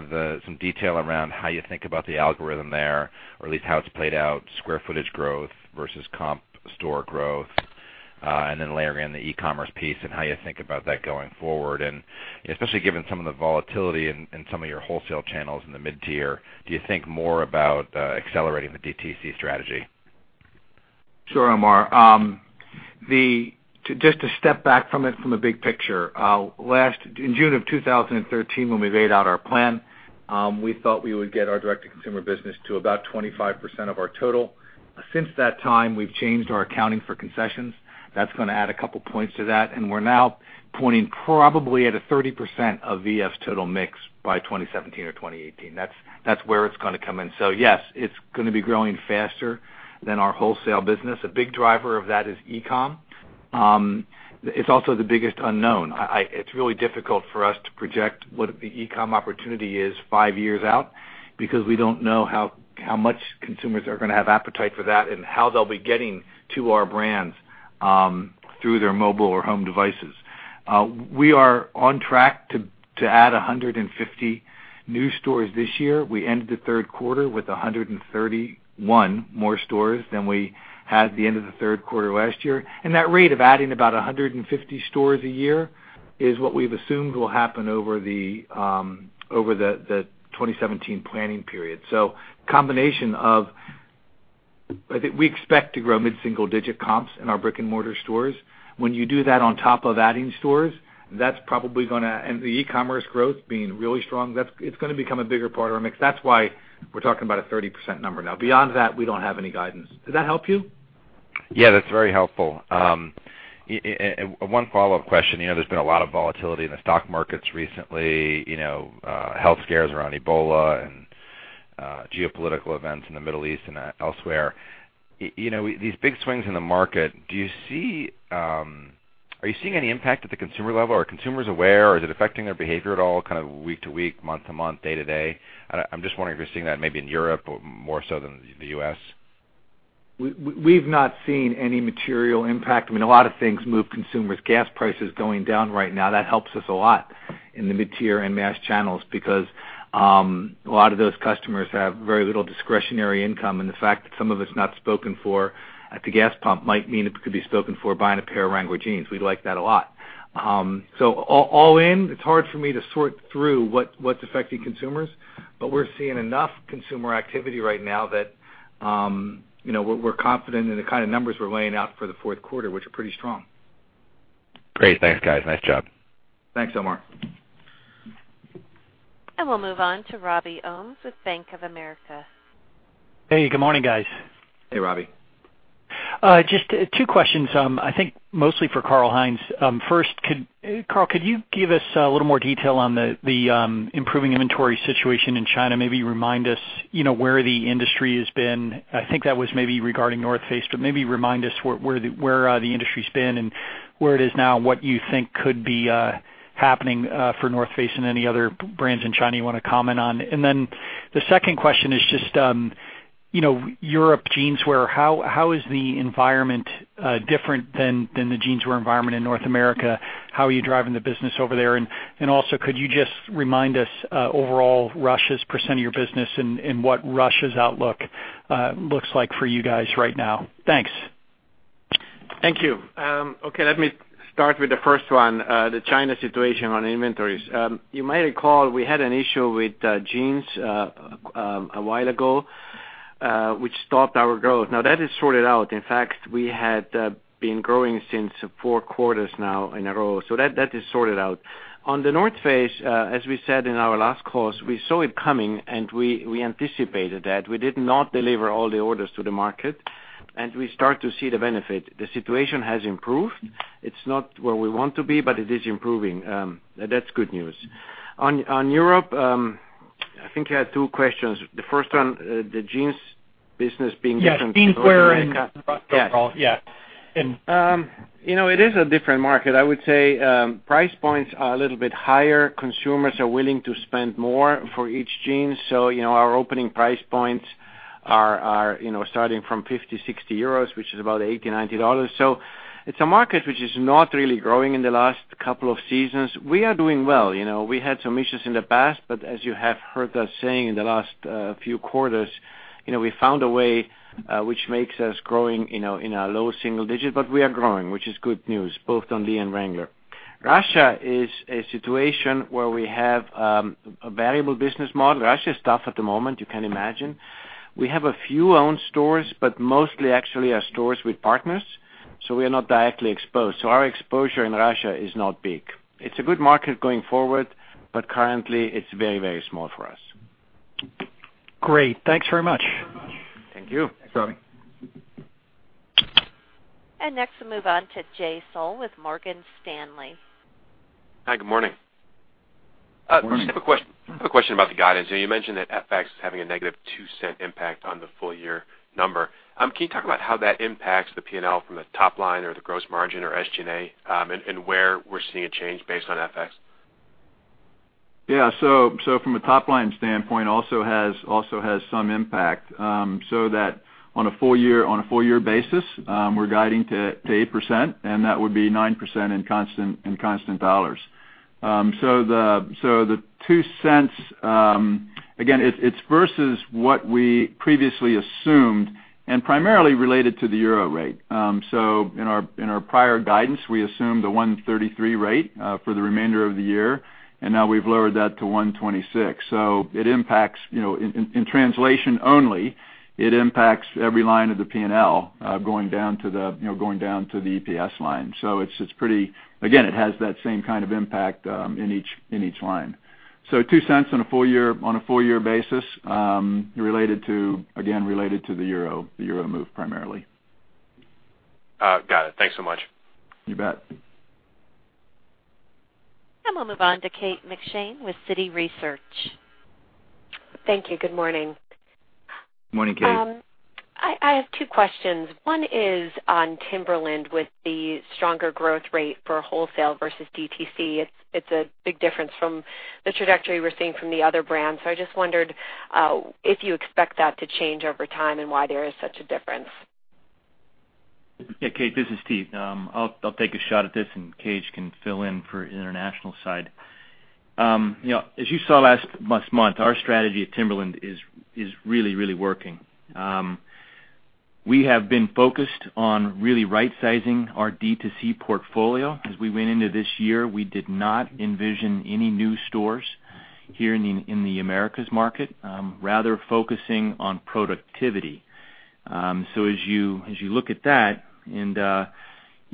detail around how you think about the algorithm there, or at least how it's played out, square footage growth versus comp store growth? Layering in the e-commerce piece and how you think about that going forward. Especially given some of the volatility in some of your wholesale channels in the mid-tier, do you think more about accelerating the DTC strategy? Sure, Omar. Just to step back from it from a big picture. In June of 2013, when we laid out our plan, we thought we would get our direct-to-consumer business to about 25% of our total. Since that time, we've changed our accounting for concessions. That's going to add a couple points to that, and we're now pointing probably at a 30% of V.F.'s total mix by 2017 or 2018. That's where it's going to come in. Yes, it's going to be growing faster than our wholesale business. A big driver of that is e-com. It's also the biggest unknown. It's really difficult for us to project what the e-com opportunity is five years out because we don't know how much consumers are going to have appetite for that and how they'll be getting to our brands through their mobile or home devices. We are on track to add 150 new stores this year. We ended the third quarter with 131 more stores than we had at the end of the third quarter last year. That rate of adding about 150 stores a year is what we've assumed will happen over the 2017 planning period. Combination of, I think we expect to grow mid-single digit comps in our brick-and-mortar stores. When you do that on top of adding stores, and the e-commerce growth being really strong, it's going to become a bigger part of our mix. That's why we're talking about a 30% number. Now, beyond that, we don't have any guidance. Did that help you? Yeah, that's very helpful. One follow-up question. There's been a lot of volatility in the stock markets recently. Health scares around Ebola and geopolitical events in the Middle East and elsewhere. These big swings in the market, are you seeing any impact at the consumer level? Are consumers aware? Is it affecting their behavior at all, kind of week to week, month to month, day to day? I'm just wondering if you're seeing that maybe in Europe more so than the U.S. We've not seen any material impact. I mean, a lot of things move consumers. Gas prices going down right now, that helps us a lot in the mid-tier and mass channels because a lot of those customers have very little discretionary income, and the fact that some of it's not spoken for at the gas pump might mean it could be spoken for buying a pair of Wrangler jeans. We like that a lot. All in, it's hard for me to sort through what's affecting consumers, but we're seeing enough consumer activity right now that We're confident in the kind of numbers we're laying out for the fourth quarter, which are pretty strong. Great. Thanks, guys. Nice job. Thanks, Omar. We'll move on to Robert Ohmes with Bank of America. Hey, good morning, guys. Hey, Robbie. Just two questions. I think mostly for Karl-Heinz. First, Karl, could you give us a little more detail on the improving inventory situation in China, maybe remind us where the industry has been? I think that was maybe regarding The North Face, but maybe remind us where the industry's been and where it is now, and what you think could be happening for The North Face and any other brands in China you want to comment on. The second question is just, Europe jeanswear. How is the environment different than the jeanswear environment in North America? How are you driving the business over there? Also, could you just remind us overall Russia's % of your business and what Russia's outlook looks like for you guys right now? Thanks. Thank you. Okay, let me start with the first one, the China situation on inventories. You might recall we had an issue with jeans a while ago, which stopped our growth. Now that is sorted out. In fact, we had been growing since four quarters now in a row. That is sorted out. On The North Face, as we said in our last calls, we saw it coming, and we anticipated that. We did not deliver all the orders to the market, and we start to see the benefit. The situation has improved. It's not where we want to be, but it is improving. That's good news. On Europe, I think you had two questions. The first one, the jeans business being different. Yeah. Jeanswear in yeah. Our opening price points are starting from 50 euros, 60 euros, which is about $80, $90. It's a market which is not really growing in the last couple of seasons. We are doing well. We had some issues in the past, but as you have heard us saying in the last few quarters, we found a way which makes us growing in a low single-digit. We are growing, which is good news both on Lee and Wrangler. Russia is a situation where we have a variable business model. Russia is tough at the moment, you can imagine. We have a few owned stores, but mostly actually are stores with partners, so we are not directly exposed. Our exposure in Russia is not big. It's a good market going forward, but currently it's very small for us. Great. Thanks very much. Thank you. Thanks, Robbie. Next, we'll move on to Jay Sole with Morgan Stanley. Hi, good morning. Morning. I have a question about the guidance. You mentioned that FX is having a negative $0.02 impact on the full-year number. Can you talk about how that impacts the P&L from the top line or the gross margin or SG&A, and where we're seeing a change based on FX? Yeah. From a top-line standpoint, also has some impact, so that on a full-year basis, we're guiding to 8%, and that would be 9% in constant dollars. The $0.02, again, it's versus what we previously assumed and primarily related to the Euro rate. In our prior guidance, we assumed a 133 rate for the remainder of the year, and now we've lowered that to 126. In translation only, it impacts every line of the P&L, going down to the EPS line. Again, it has that same kind of impact in each line. The $0.02 on a full-year basis, again, related to the Euro move primarily. Got it. Thanks so much. You bet. We'll move on to Kate McShane with Citi Research. Thank you. Good morning. Morning, Kate. I have two questions. One is on Timberland with the stronger growth rate for wholesale versus DTC. It's a big difference from the trajectory we're seeing from the other brands. I just wondered if you expect that to change over time and why there is such a difference. Kate, this is Steve. I'll take a shot at this and KH can fill in for international side. As you saw last month, our strategy at Timberland is really working. We have been focused on really right-sizing our D2C portfolio. As we went into this year, we did not envision any new stores here in the Americas market, rather focusing on productivity. As you look at that and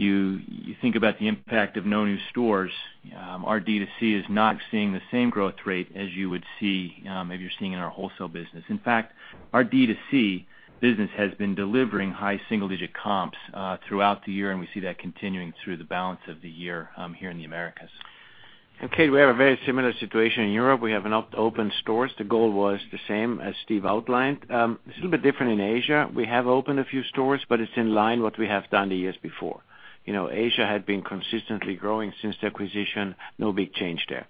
you think about the impact of no new stores, our D2C is not seeing the same growth rate as you would see, maybe you're seeing in our wholesale business. In fact, our D2C business has been delivering high single-digit comps throughout the year, we see that continuing through the balance of the year here in the Americas. Kate, we have a very similar situation in Europe. We have not opened stores. The goal was the same as Steve outlined. It's a little bit different in Asia. We have opened a few stores, but it's in line what we have done the years before. Asia had been consistently growing since the acquisition. No big change there.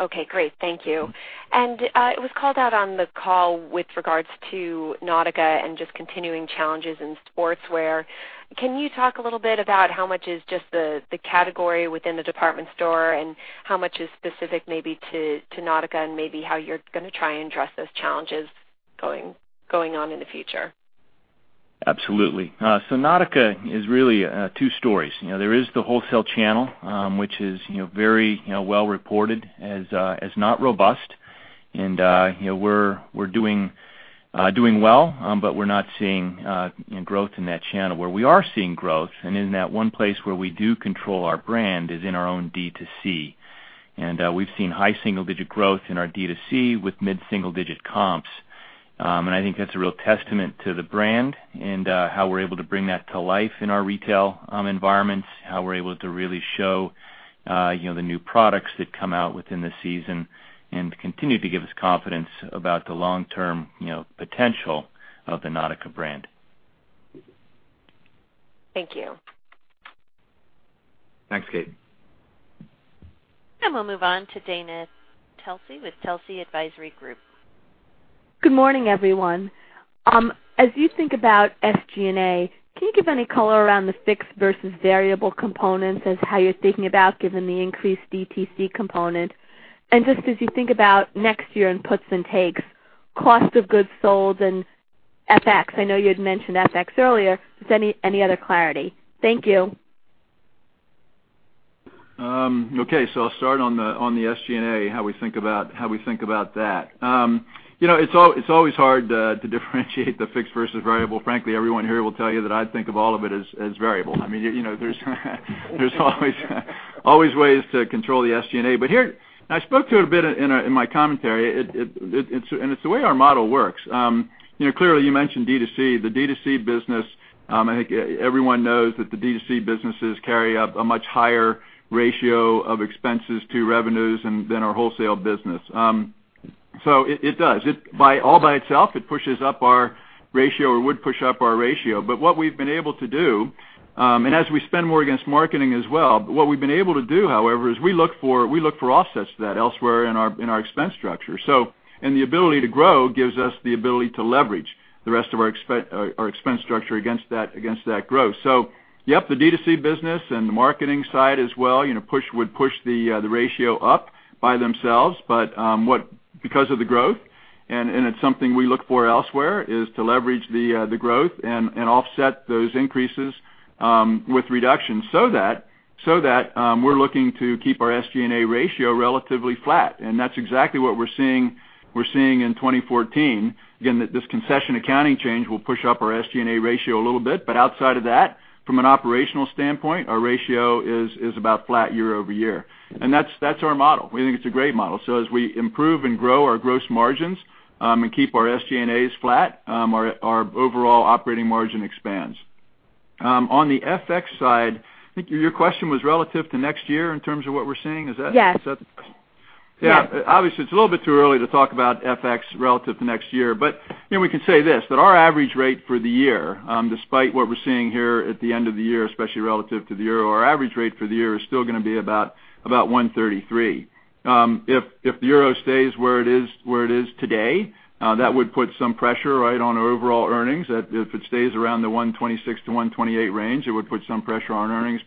Okay, great. Thank you. It was called out on the call with regards to Nautica and just continuing challenges in Sportswear. Can you talk a little bit about how much is just the category within the department store, and how much is specific maybe to Nautica, and maybe how you're going to try and address those challenges going on in the future? Absolutely. Nautica is really two stories. There is the wholesale channel, which is very well reported as not robust. We're doing well, but we're not seeing growth in that channel. Where we are seeing growth, and in that one place where we do control our brand, is in our own D2C. We've seen high single-digit growth in our D2C with mid-single digit comps. I think that's a real testament to the brand and how we're able to bring that to life in our retail environments, how we're able to really show the new products that come out within the season and continue to give us confidence about the long-term potential of the Nautica brand. Thank you. Thanks, Kate. We'll move on to Dana Telsey with Telsey Advisory Group. Good morning, everyone. As you think about SG&A, can you give any color around the fixed versus variable components as how you're thinking about giving the increased DTC component? Just as you think about next year and puts and takes, cost of goods sold and FX, I know you had mentioned FX earlier. Is there any other clarity? Thank you. I'll start on the SG&A, how we think about that. It's always hard to differentiate the fixed versus variable. Frankly, everyone here will tell you that I think of all of it as variable. There's always ways to control the SG&A. Here, I spoke to it a bit in my commentary, and it's the way our model works. Clearly, you mentioned D2C. The D2C business, I think everyone knows that the D2C businesses carry a much higher ratio of expenses to revenues than our wholesale business. It does. All by itself, it pushes up our ratio, or would push up our ratio. What we've been able to do, and as we spend more against marketing as well, what we've been able to do, however, is we look for offsets to that elsewhere in our expense structure. The ability to grow gives us the ability to leverage the rest of our expense structure against that growth. Yep, the D2C business and the marketing side as well would push the ratio up by themselves. Because of the growth, and it's something we look for elsewhere, is to leverage the growth and offset those increases with reductions so that we're looking to keep our SG&A ratio relatively flat. That's exactly what we're seeing in 2014. Again, this concession accounting change will push up our SG&A ratio a little bit, but outside of that, from an operational standpoint, our ratio is about flat year-over-year. That's our model. We think it's a great model. As we improve and grow our gross margins and keep our SG&As flat, our overall operating margin expands. On the FX side, I think your question was relative to next year in terms of what we're seeing. Is that? Yes. Yeah. Obviously, it's a little bit too early to talk about FX relative to next year. We can say this, that our average rate for the year, despite what we're seeing here at the end of the year, especially relative to the euro, our average rate for the year is still going to be about 133. If the euro stays where it is today, that would put some pressure on our overall earnings. If it stays around the 126-128 range, it would put some pressure on earnings.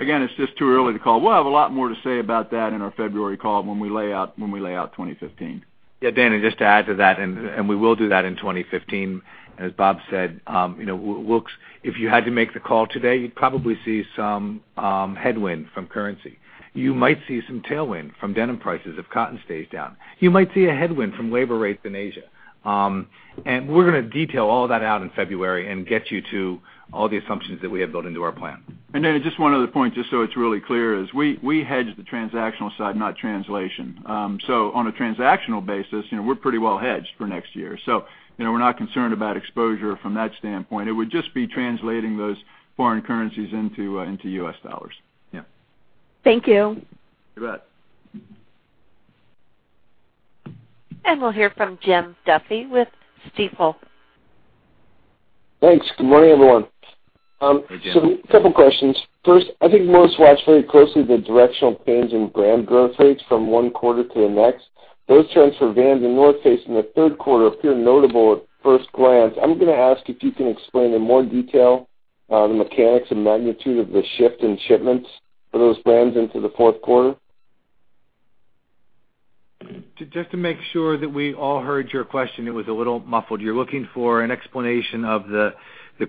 Again, it's just too early to call. We'll have a lot more to say about that in our February call when we lay out 2015. Yeah, Dana, just to add to that. We will do that in 2015. As Bob said, if you had to make the call today, you'd probably see some headwind from currency. You might see some tailwind from denim prices if cotton stays down. You might see a headwind from labor rates in Asia. We're going to detail all that out in February and get you to all the assumptions that we have built into our plan. Just one other point, just so it's really clear, is we hedge the transactional side, not translation. On a transactional basis, we're pretty well hedged for next year. We're not concerned about exposure from that standpoint. It would just be translating those foreign currencies into U.S. dollars. Yeah. Thank you. You bet. We'll hear from Jim Duffy with Stifel. Thanks. Good morning, everyone. Hey, Jim. A couple questions. First, I think most watch very closely the directional changes in brand growth rates from one quarter to the next. Those trends for Vans and The North Face in the third quarter appear notable at first glance. I'm going to ask if you can explain in more detail the mechanics and magnitude of the shift in shipments for those brands into the fourth quarter. Just to make sure that we all heard your question, it was a little muffled. You're looking for an explanation of the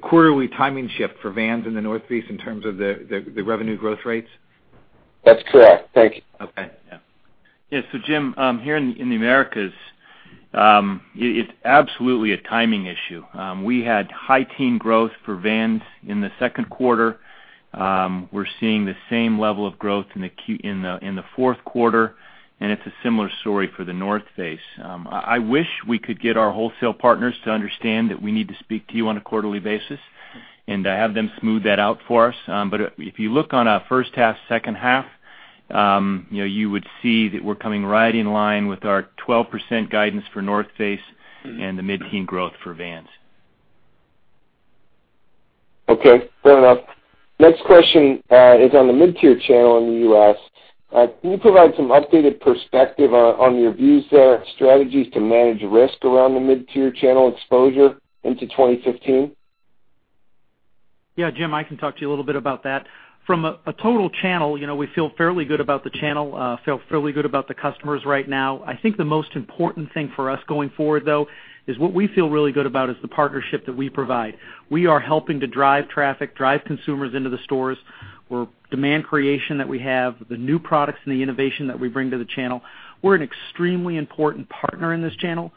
quarterly timing shift for Vans in The North Face in terms of the revenue growth rates? That's correct. Thank you. Okay. Yeah. Jim, here in the Americas, it's absolutely a timing issue. We had high teen growth for Vans in the second quarter. We're seeing the same level of growth in the fourth quarter, and it's a similar story for The North Face. I wish we could get our wholesale partners to understand that we need to speak to you on a quarterly basis and have them smooth that out for us. If you look on a first half, second half, you would see that we're coming right in line with our 12% guidance for The North Face and the mid-teen growth for Vans. Okay. Fair enough. Next question is on the mid-tier channel in the U.S. Can you provide some updated perspective on your views there, strategies to manage risk around the mid-tier channel exposure into 2015? Yeah, Jim, I can talk to you a little bit about that. From a total channel, we feel fairly good about the channel, feel fairly good about the customers right now. I think the most important thing for us going forward, though, is what we feel really good about is the partnership that we provide. We are helping to drive traffic, drive consumers into the stores. We're demand creation that we have, the new products and the innovation that we bring to the channel. We're an extremely important partner in this channel.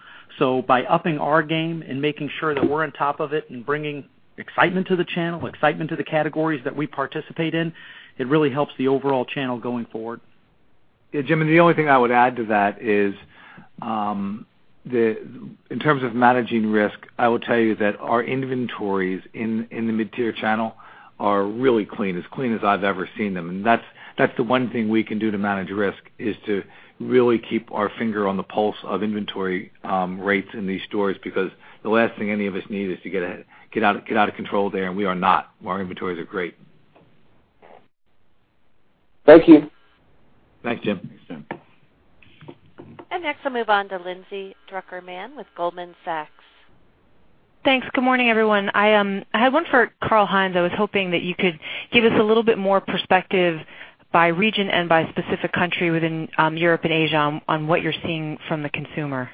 By upping our game and making sure that we're on top of it and bringing excitement to the channel, excitement to the categories that we participate in, it really helps the overall channel going forward. Yeah, Jim, the only thing I would add to that is, in terms of managing risk, I will tell you that our inventories in the mid-tier channel are really clean, as clean as I've ever seen them. That's the one thing we can do to manage risk, is to really keep our finger on the pulse of inventory rates in these stores, because the last thing any of us need is to get out of control there, and we are not. Our inventories are great. Thank you. Thanks, Jim. Thanks, Jim. Next, I'll move on to Lindsay Drucker Mann with Goldman Sachs. Thanks. Good morning, everyone. I had one for Karl-Heinz. I was hoping that you could give us a little bit more perspective by region and by specific country within Europe and Asia on what you're seeing from the consumer.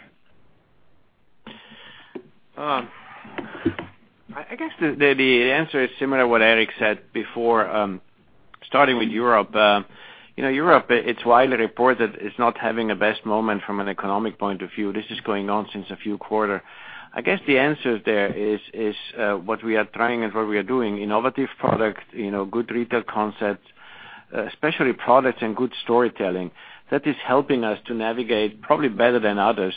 I guess the answer is similar to what Eric said before. Starting with Europe. Europe, it's widely reported it's not having a best moment from an economic point of view. This is going on since a few quarter. I guess the answer there is what we are trying and what we are doing. Innovative product, good retail concept, especially products and good storytelling. That is helping us to navigate probably better than others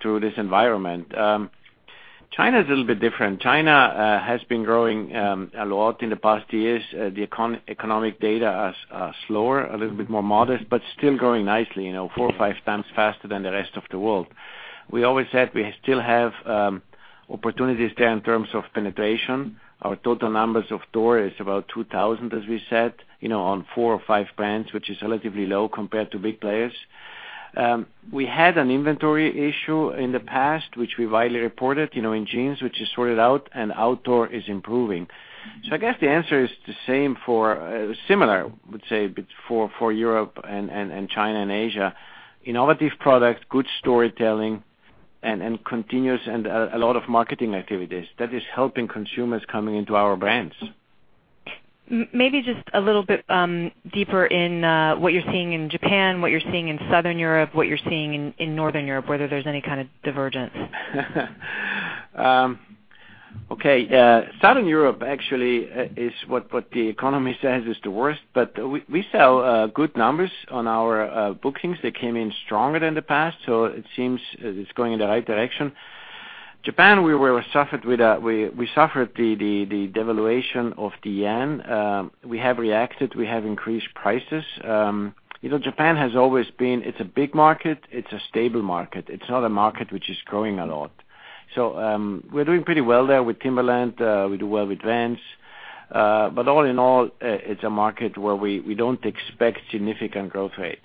through this environment. China is a little bit different. China has been growing a lot in the past years. The economic data are slower, a little bit more modest, but still growing nicely four or five times faster than the rest of the world. We always said we still have opportunities there in terms of penetration. Our total numbers of store is about 2,000, as we said, on four or five brands, which is relatively low compared to big players. We had an inventory issue in the past, which we widely reported, in jeans, which is sorted out, and outdoor is improving. I guess the answer is similar, I would say, for Europe and China and Asia. Innovative product, good storytelling, and a lot of marketing activities. That is helping consumers coming into our brands. Maybe just a little bit deeper in what you're seeing in Japan, what you're seeing in Southern Europe, what you're seeing in Northern Europe, whether there's any kind of divergence. Okay. Southern Europe actually is what the economy says is the worst, but we sell good numbers on our bookings. They came in stronger than the past, so it seems it's going in the right direction. Japan, we suffered the devaluation of the yen. We have reacted. We have increased prices. Japan, it's a big market. It's a stable market. It's not a market which is growing a lot. We're doing pretty well there with Timberland. We do well with Vans. All in all, it's a market where we don't expect significant growth rates.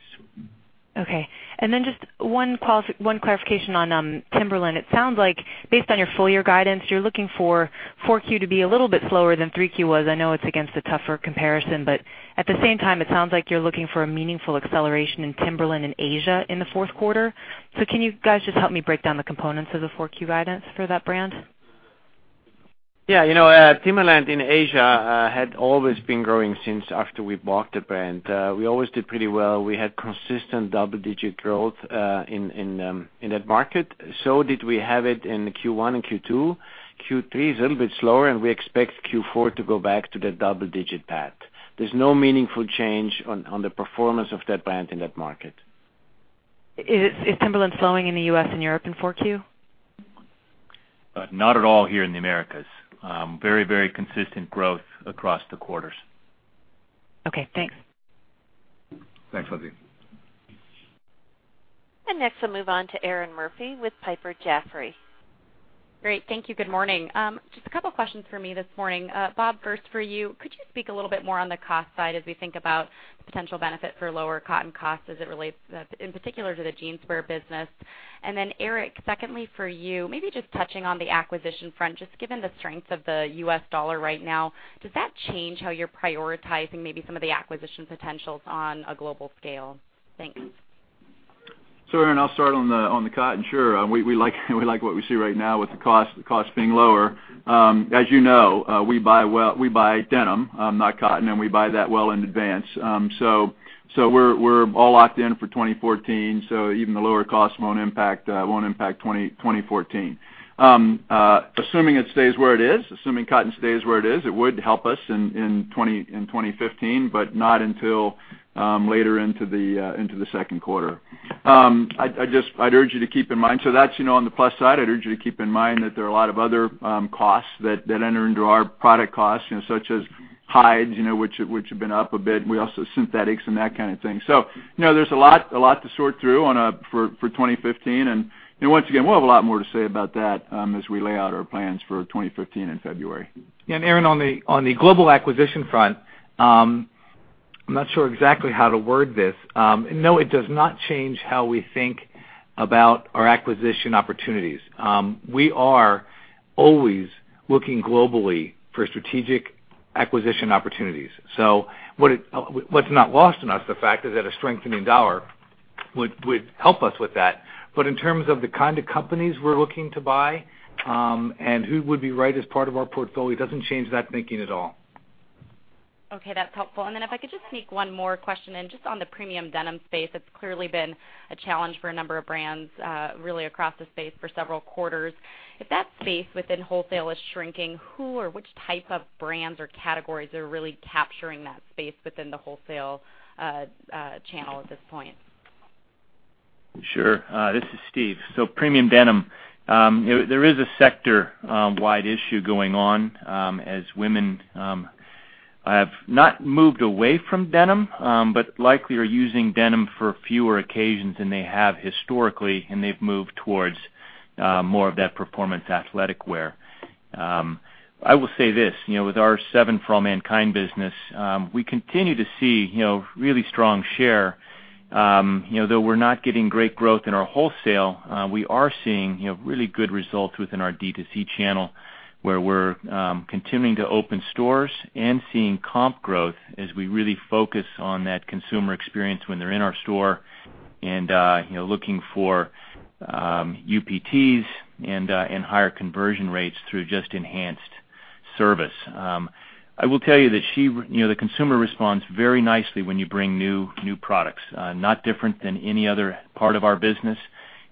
Okay. Just one clarification on Timberland. It sounds like based on your full-year guidance, you're looking for 4Q to be a little bit slower than 3Q was. I know it's against a tougher comparison, but at the same time, it sounds like you're looking for a meaningful acceleration in Timberland in Asia in the fourth quarter. Can you guys just help me break down the components of the 4Q guidance for that brand? Yeah. Timberland in Asia had always been growing since after we bought the brand. We always did pretty well. We had consistent double-digit growth in that market. Did we have it in Q1 and Q2. Q3 is a little bit slower, and we expect Q4 to go back to that double-digit path. There's no meaningful change on the performance of that brand in that market. Is Timberland slowing in the U.S. and Europe in 4Q? Not at all here in the Americas. Very consistent growth across the quarters. Okay, thanks. Thanks, Lindsay. Next, I'll move on to Erinn Murphy with Piper Jaffray. Great. Thank you. Good morning. Just a couple questions for me this morning. Bob, first for you. Could you speak a little bit more on the cost side as we think about the potential benefit for lower cotton cost as it relates, in particular, to the Jeanswear business? Eric, secondly for you, maybe just touching on the acquisition front, just given the strength of the U.S. dollar right now, does that change how you're prioritizing maybe some of the acquisition potentials on a global scale? Thanks. Erinn, I'll start on the cotton. Sure. We like what we see right now with the cost being lower. As you know, we buy denim, not cotton, and we buy that well in advance. We're all locked in for 2014, so even the lower cost won't impact 2014. Assuming it stays where it is, assuming cotton stays where it is, it would help us in 2015, but not until later into the second quarter. I'd urge you to keep in mind, so that's on the plus side. I'd urge you to keep in mind that there are a lot of other costs that enter into our product costs, such as hides, which have been up a bit. We also have synthetics and that kind of thing. There's a lot to sort through for 2015. Once again, we'll have a lot more to say about that as we lay out our plans for 2015 in February. Erinn, on the global acquisition front. I'm not sure exactly how to word this. No, it does not change how we think about our acquisition opportunities. We are always looking globally for strategic acquisition opportunities. What's not lost on us, the fact that a strengthening dollar would help us with that. In terms of the kind of companies we're looking to buy, and who would be right as part of our portfolio, doesn't change that thinking at all. Okay, that's helpful. Then if I could just sneak one more question in. Just on the premium denim space, it's clearly been a challenge for a number of brands, really across the space for several quarters. If that space within wholesale is shrinking, who or which type of brands or categories are really capturing that space within the wholesale channel at this point? Sure. This is Steve. Premium denim. There is a sector-wide issue going on, as women have not moved away from denim, but likely are using denim for fewer occasions than they have historically, and they've moved towards more of that performance athletic wear. I will say this. With our 7 For All Mankind business, we continue to see really strong share. Though we're not getting great growth in our wholesale, we are seeing really good results within our D2C channel, where we're continuing to open stores and seeing comp growth as we really focus on that consumer experience when they're in our store and looking for UPTs and higher conversion rates through just enhanced service. I will tell you that the consumer responds very nicely when you bring new products. Not different than any other part of our business.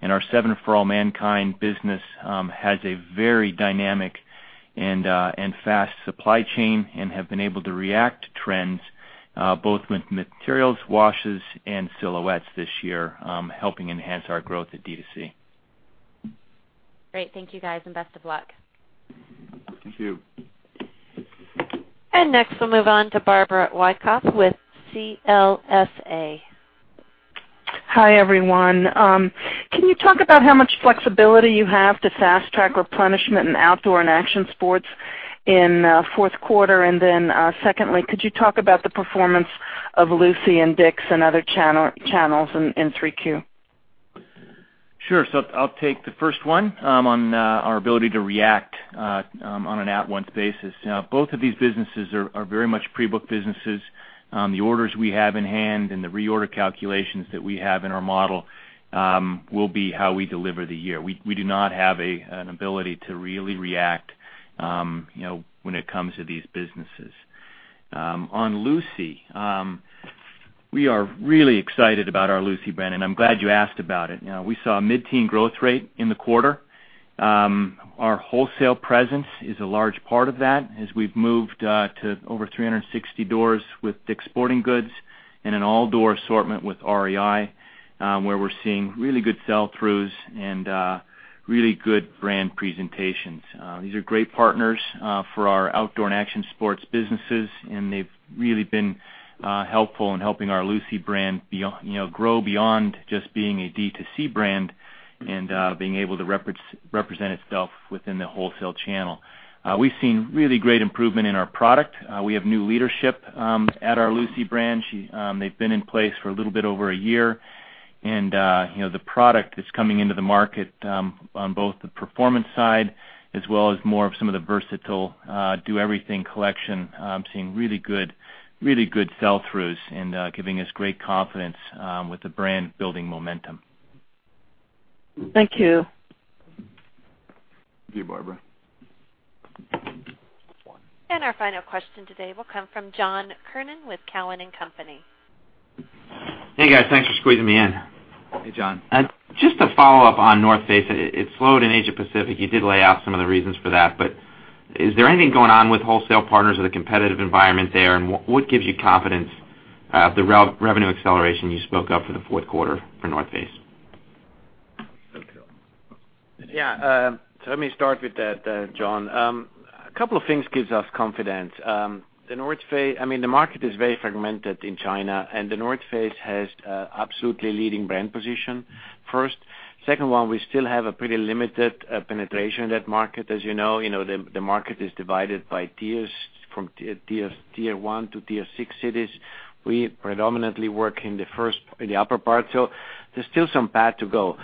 Our 7 For All Mankind business has a very dynamic and fast supply chain and have been able to react to trends, both with materials, washes, and silhouettes this year, helping enhance our growth at D2C. Great. Thank you guys, and best of luck. Thank you. Next we'll move on to Barbara Wyckoff with CLSA. Hi, everyone. Can you talk about how much flexibility you have to fast-track replenishment in outdoor and action sports in fourth quarter? Secondly, could you talk about the performance of lucy and Dick's and other channels in 3Q? Sure. I'll take the first one on our ability to react on an at-once basis. Both of these businesses are very much pre-booked businesses. The orders we have in hand and the reorder calculations that we have in our model will be how we deliver the year. We do not have an ability to really react when it comes to these businesses. On lucy, we are really excited about our lucy brand, and I'm glad you asked about it. We saw a mid-teen growth rate in the quarter. Our wholesale presence is a large part of that, as we've moved to over 360 doors with DICK'S Sporting Goods and an all-door assortment with REI, where we're seeing really good sell-throughs and really good brand presentations. These are great partners for our outdoor and action sports businesses, they've really been helpful in helping our lucy brand grow beyond just being a D2C brand and being able to represent itself within the wholesale channel. We've seen really great improvement in our product. We have new leadership at our lucy brand. They've been in place for a little bit over a year. The product that's coming into the market on both the performance side as well as more of some of the versatile do-everything collection, seeing really good sell-throughs and giving us great confidence with the brand building momentum. Thank you. Thank you, Barbara. Our final question today will come from John Kernan with Cowen and Company. Hey, guys. Thanks for squeezing me in. Hey, John. Just a follow-up on The North Face. It slowed in Asia Pacific. You did lay out some of the reasons for that, is there anything going on with wholesale partners or the competitive environment there? What gives you confidence the revenue acceleration you spoke of for the fourth quarter for The North Face? Thanks, John. Yeah. Let me start with that, John. A couple of things gives us confidence. The market is very fragmented in China, The North Face has absolutely leading brand position, first. Second one, we still have a pretty limited penetration in that market, as you know. The market is divided by tiers, from tier 1 to tier 6 cities. We predominantly work in the upper part. There's still some path to go.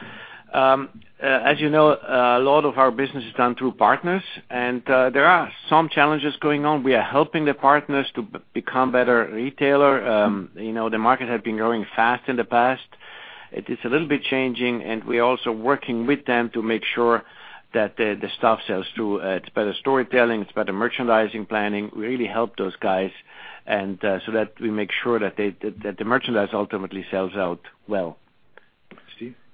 As you know, a lot of our business is done through partners, there are some challenges going on. We are helping the partners to become better retailer. The market had been growing fast in the past. It is a little bit changing, we're also working with them to make sure that the stuff sells through. It's better storytelling, it's better merchandising planning, really help those guys so that we make sure that the merchandise ultimately sells out well.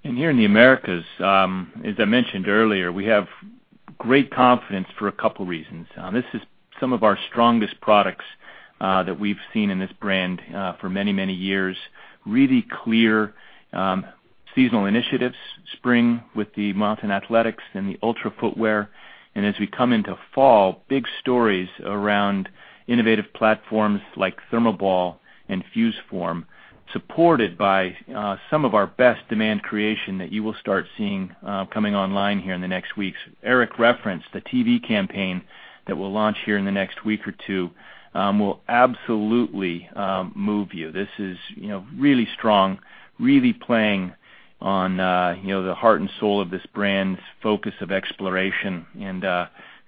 Steve? Here in the Americas, as I mentioned earlier, we have great confidence for a couple reasons. This is some of our strongest products that we've seen in this brand for many, many years. Really clear seasonal initiatives. Spring with the Mountain Athletics and the Ultra footwear. As we come into fall, big stories around innovative platforms like ThermoBall and FuseForm, supported by some of our best demand creation that you will start seeing coming online here in the next weeks. Eric referenced the TV campaign that will launch here in the next week or two will absolutely move you. This is really strong, really playing on the heart and soul of this brand's focus of exploration and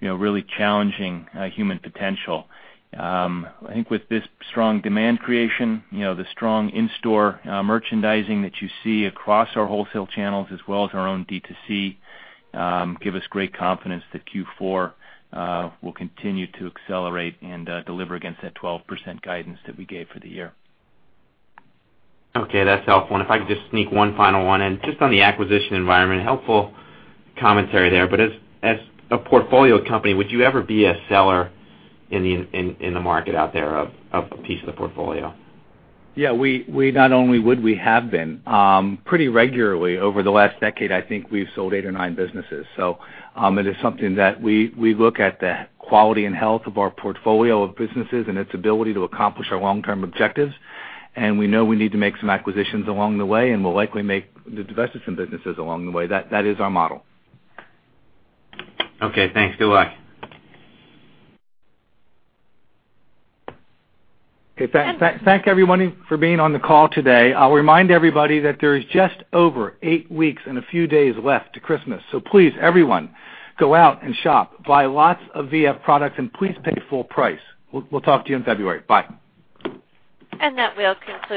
really challenging human potential. I think with this strong demand creation, the strong in-store merchandising that you see across our wholesale channels as well as our own D2C, give us great confidence that Q4 will continue to accelerate and deliver against that 12% guidance that we gave for the year. Okay, that's helpful. If I could just sneak one final one in. Just on the acquisition environment. Helpful commentary there, as a portfolio company, would you ever be a seller in the market out there of a piece of the portfolio? Yeah. Pretty regularly over the last decade, I think we've sold eight or nine businesses. It is something that we look at the quality and health of our portfolio of businesses and its ability to accomplish our long-term objectives. We know we need to make some acquisitions along the way, and we'll likely divest some businesses along the way. That is our model. Okay, thanks. Good luck. Okay. Thank everyone for being on the call today. I'll remind everybody that there is just over eight weeks and a few days left to Christmas. Please, everyone, go out and shop. Buy lots of VF products and please pay full price. We'll talk to you in February. Bye. That will conclude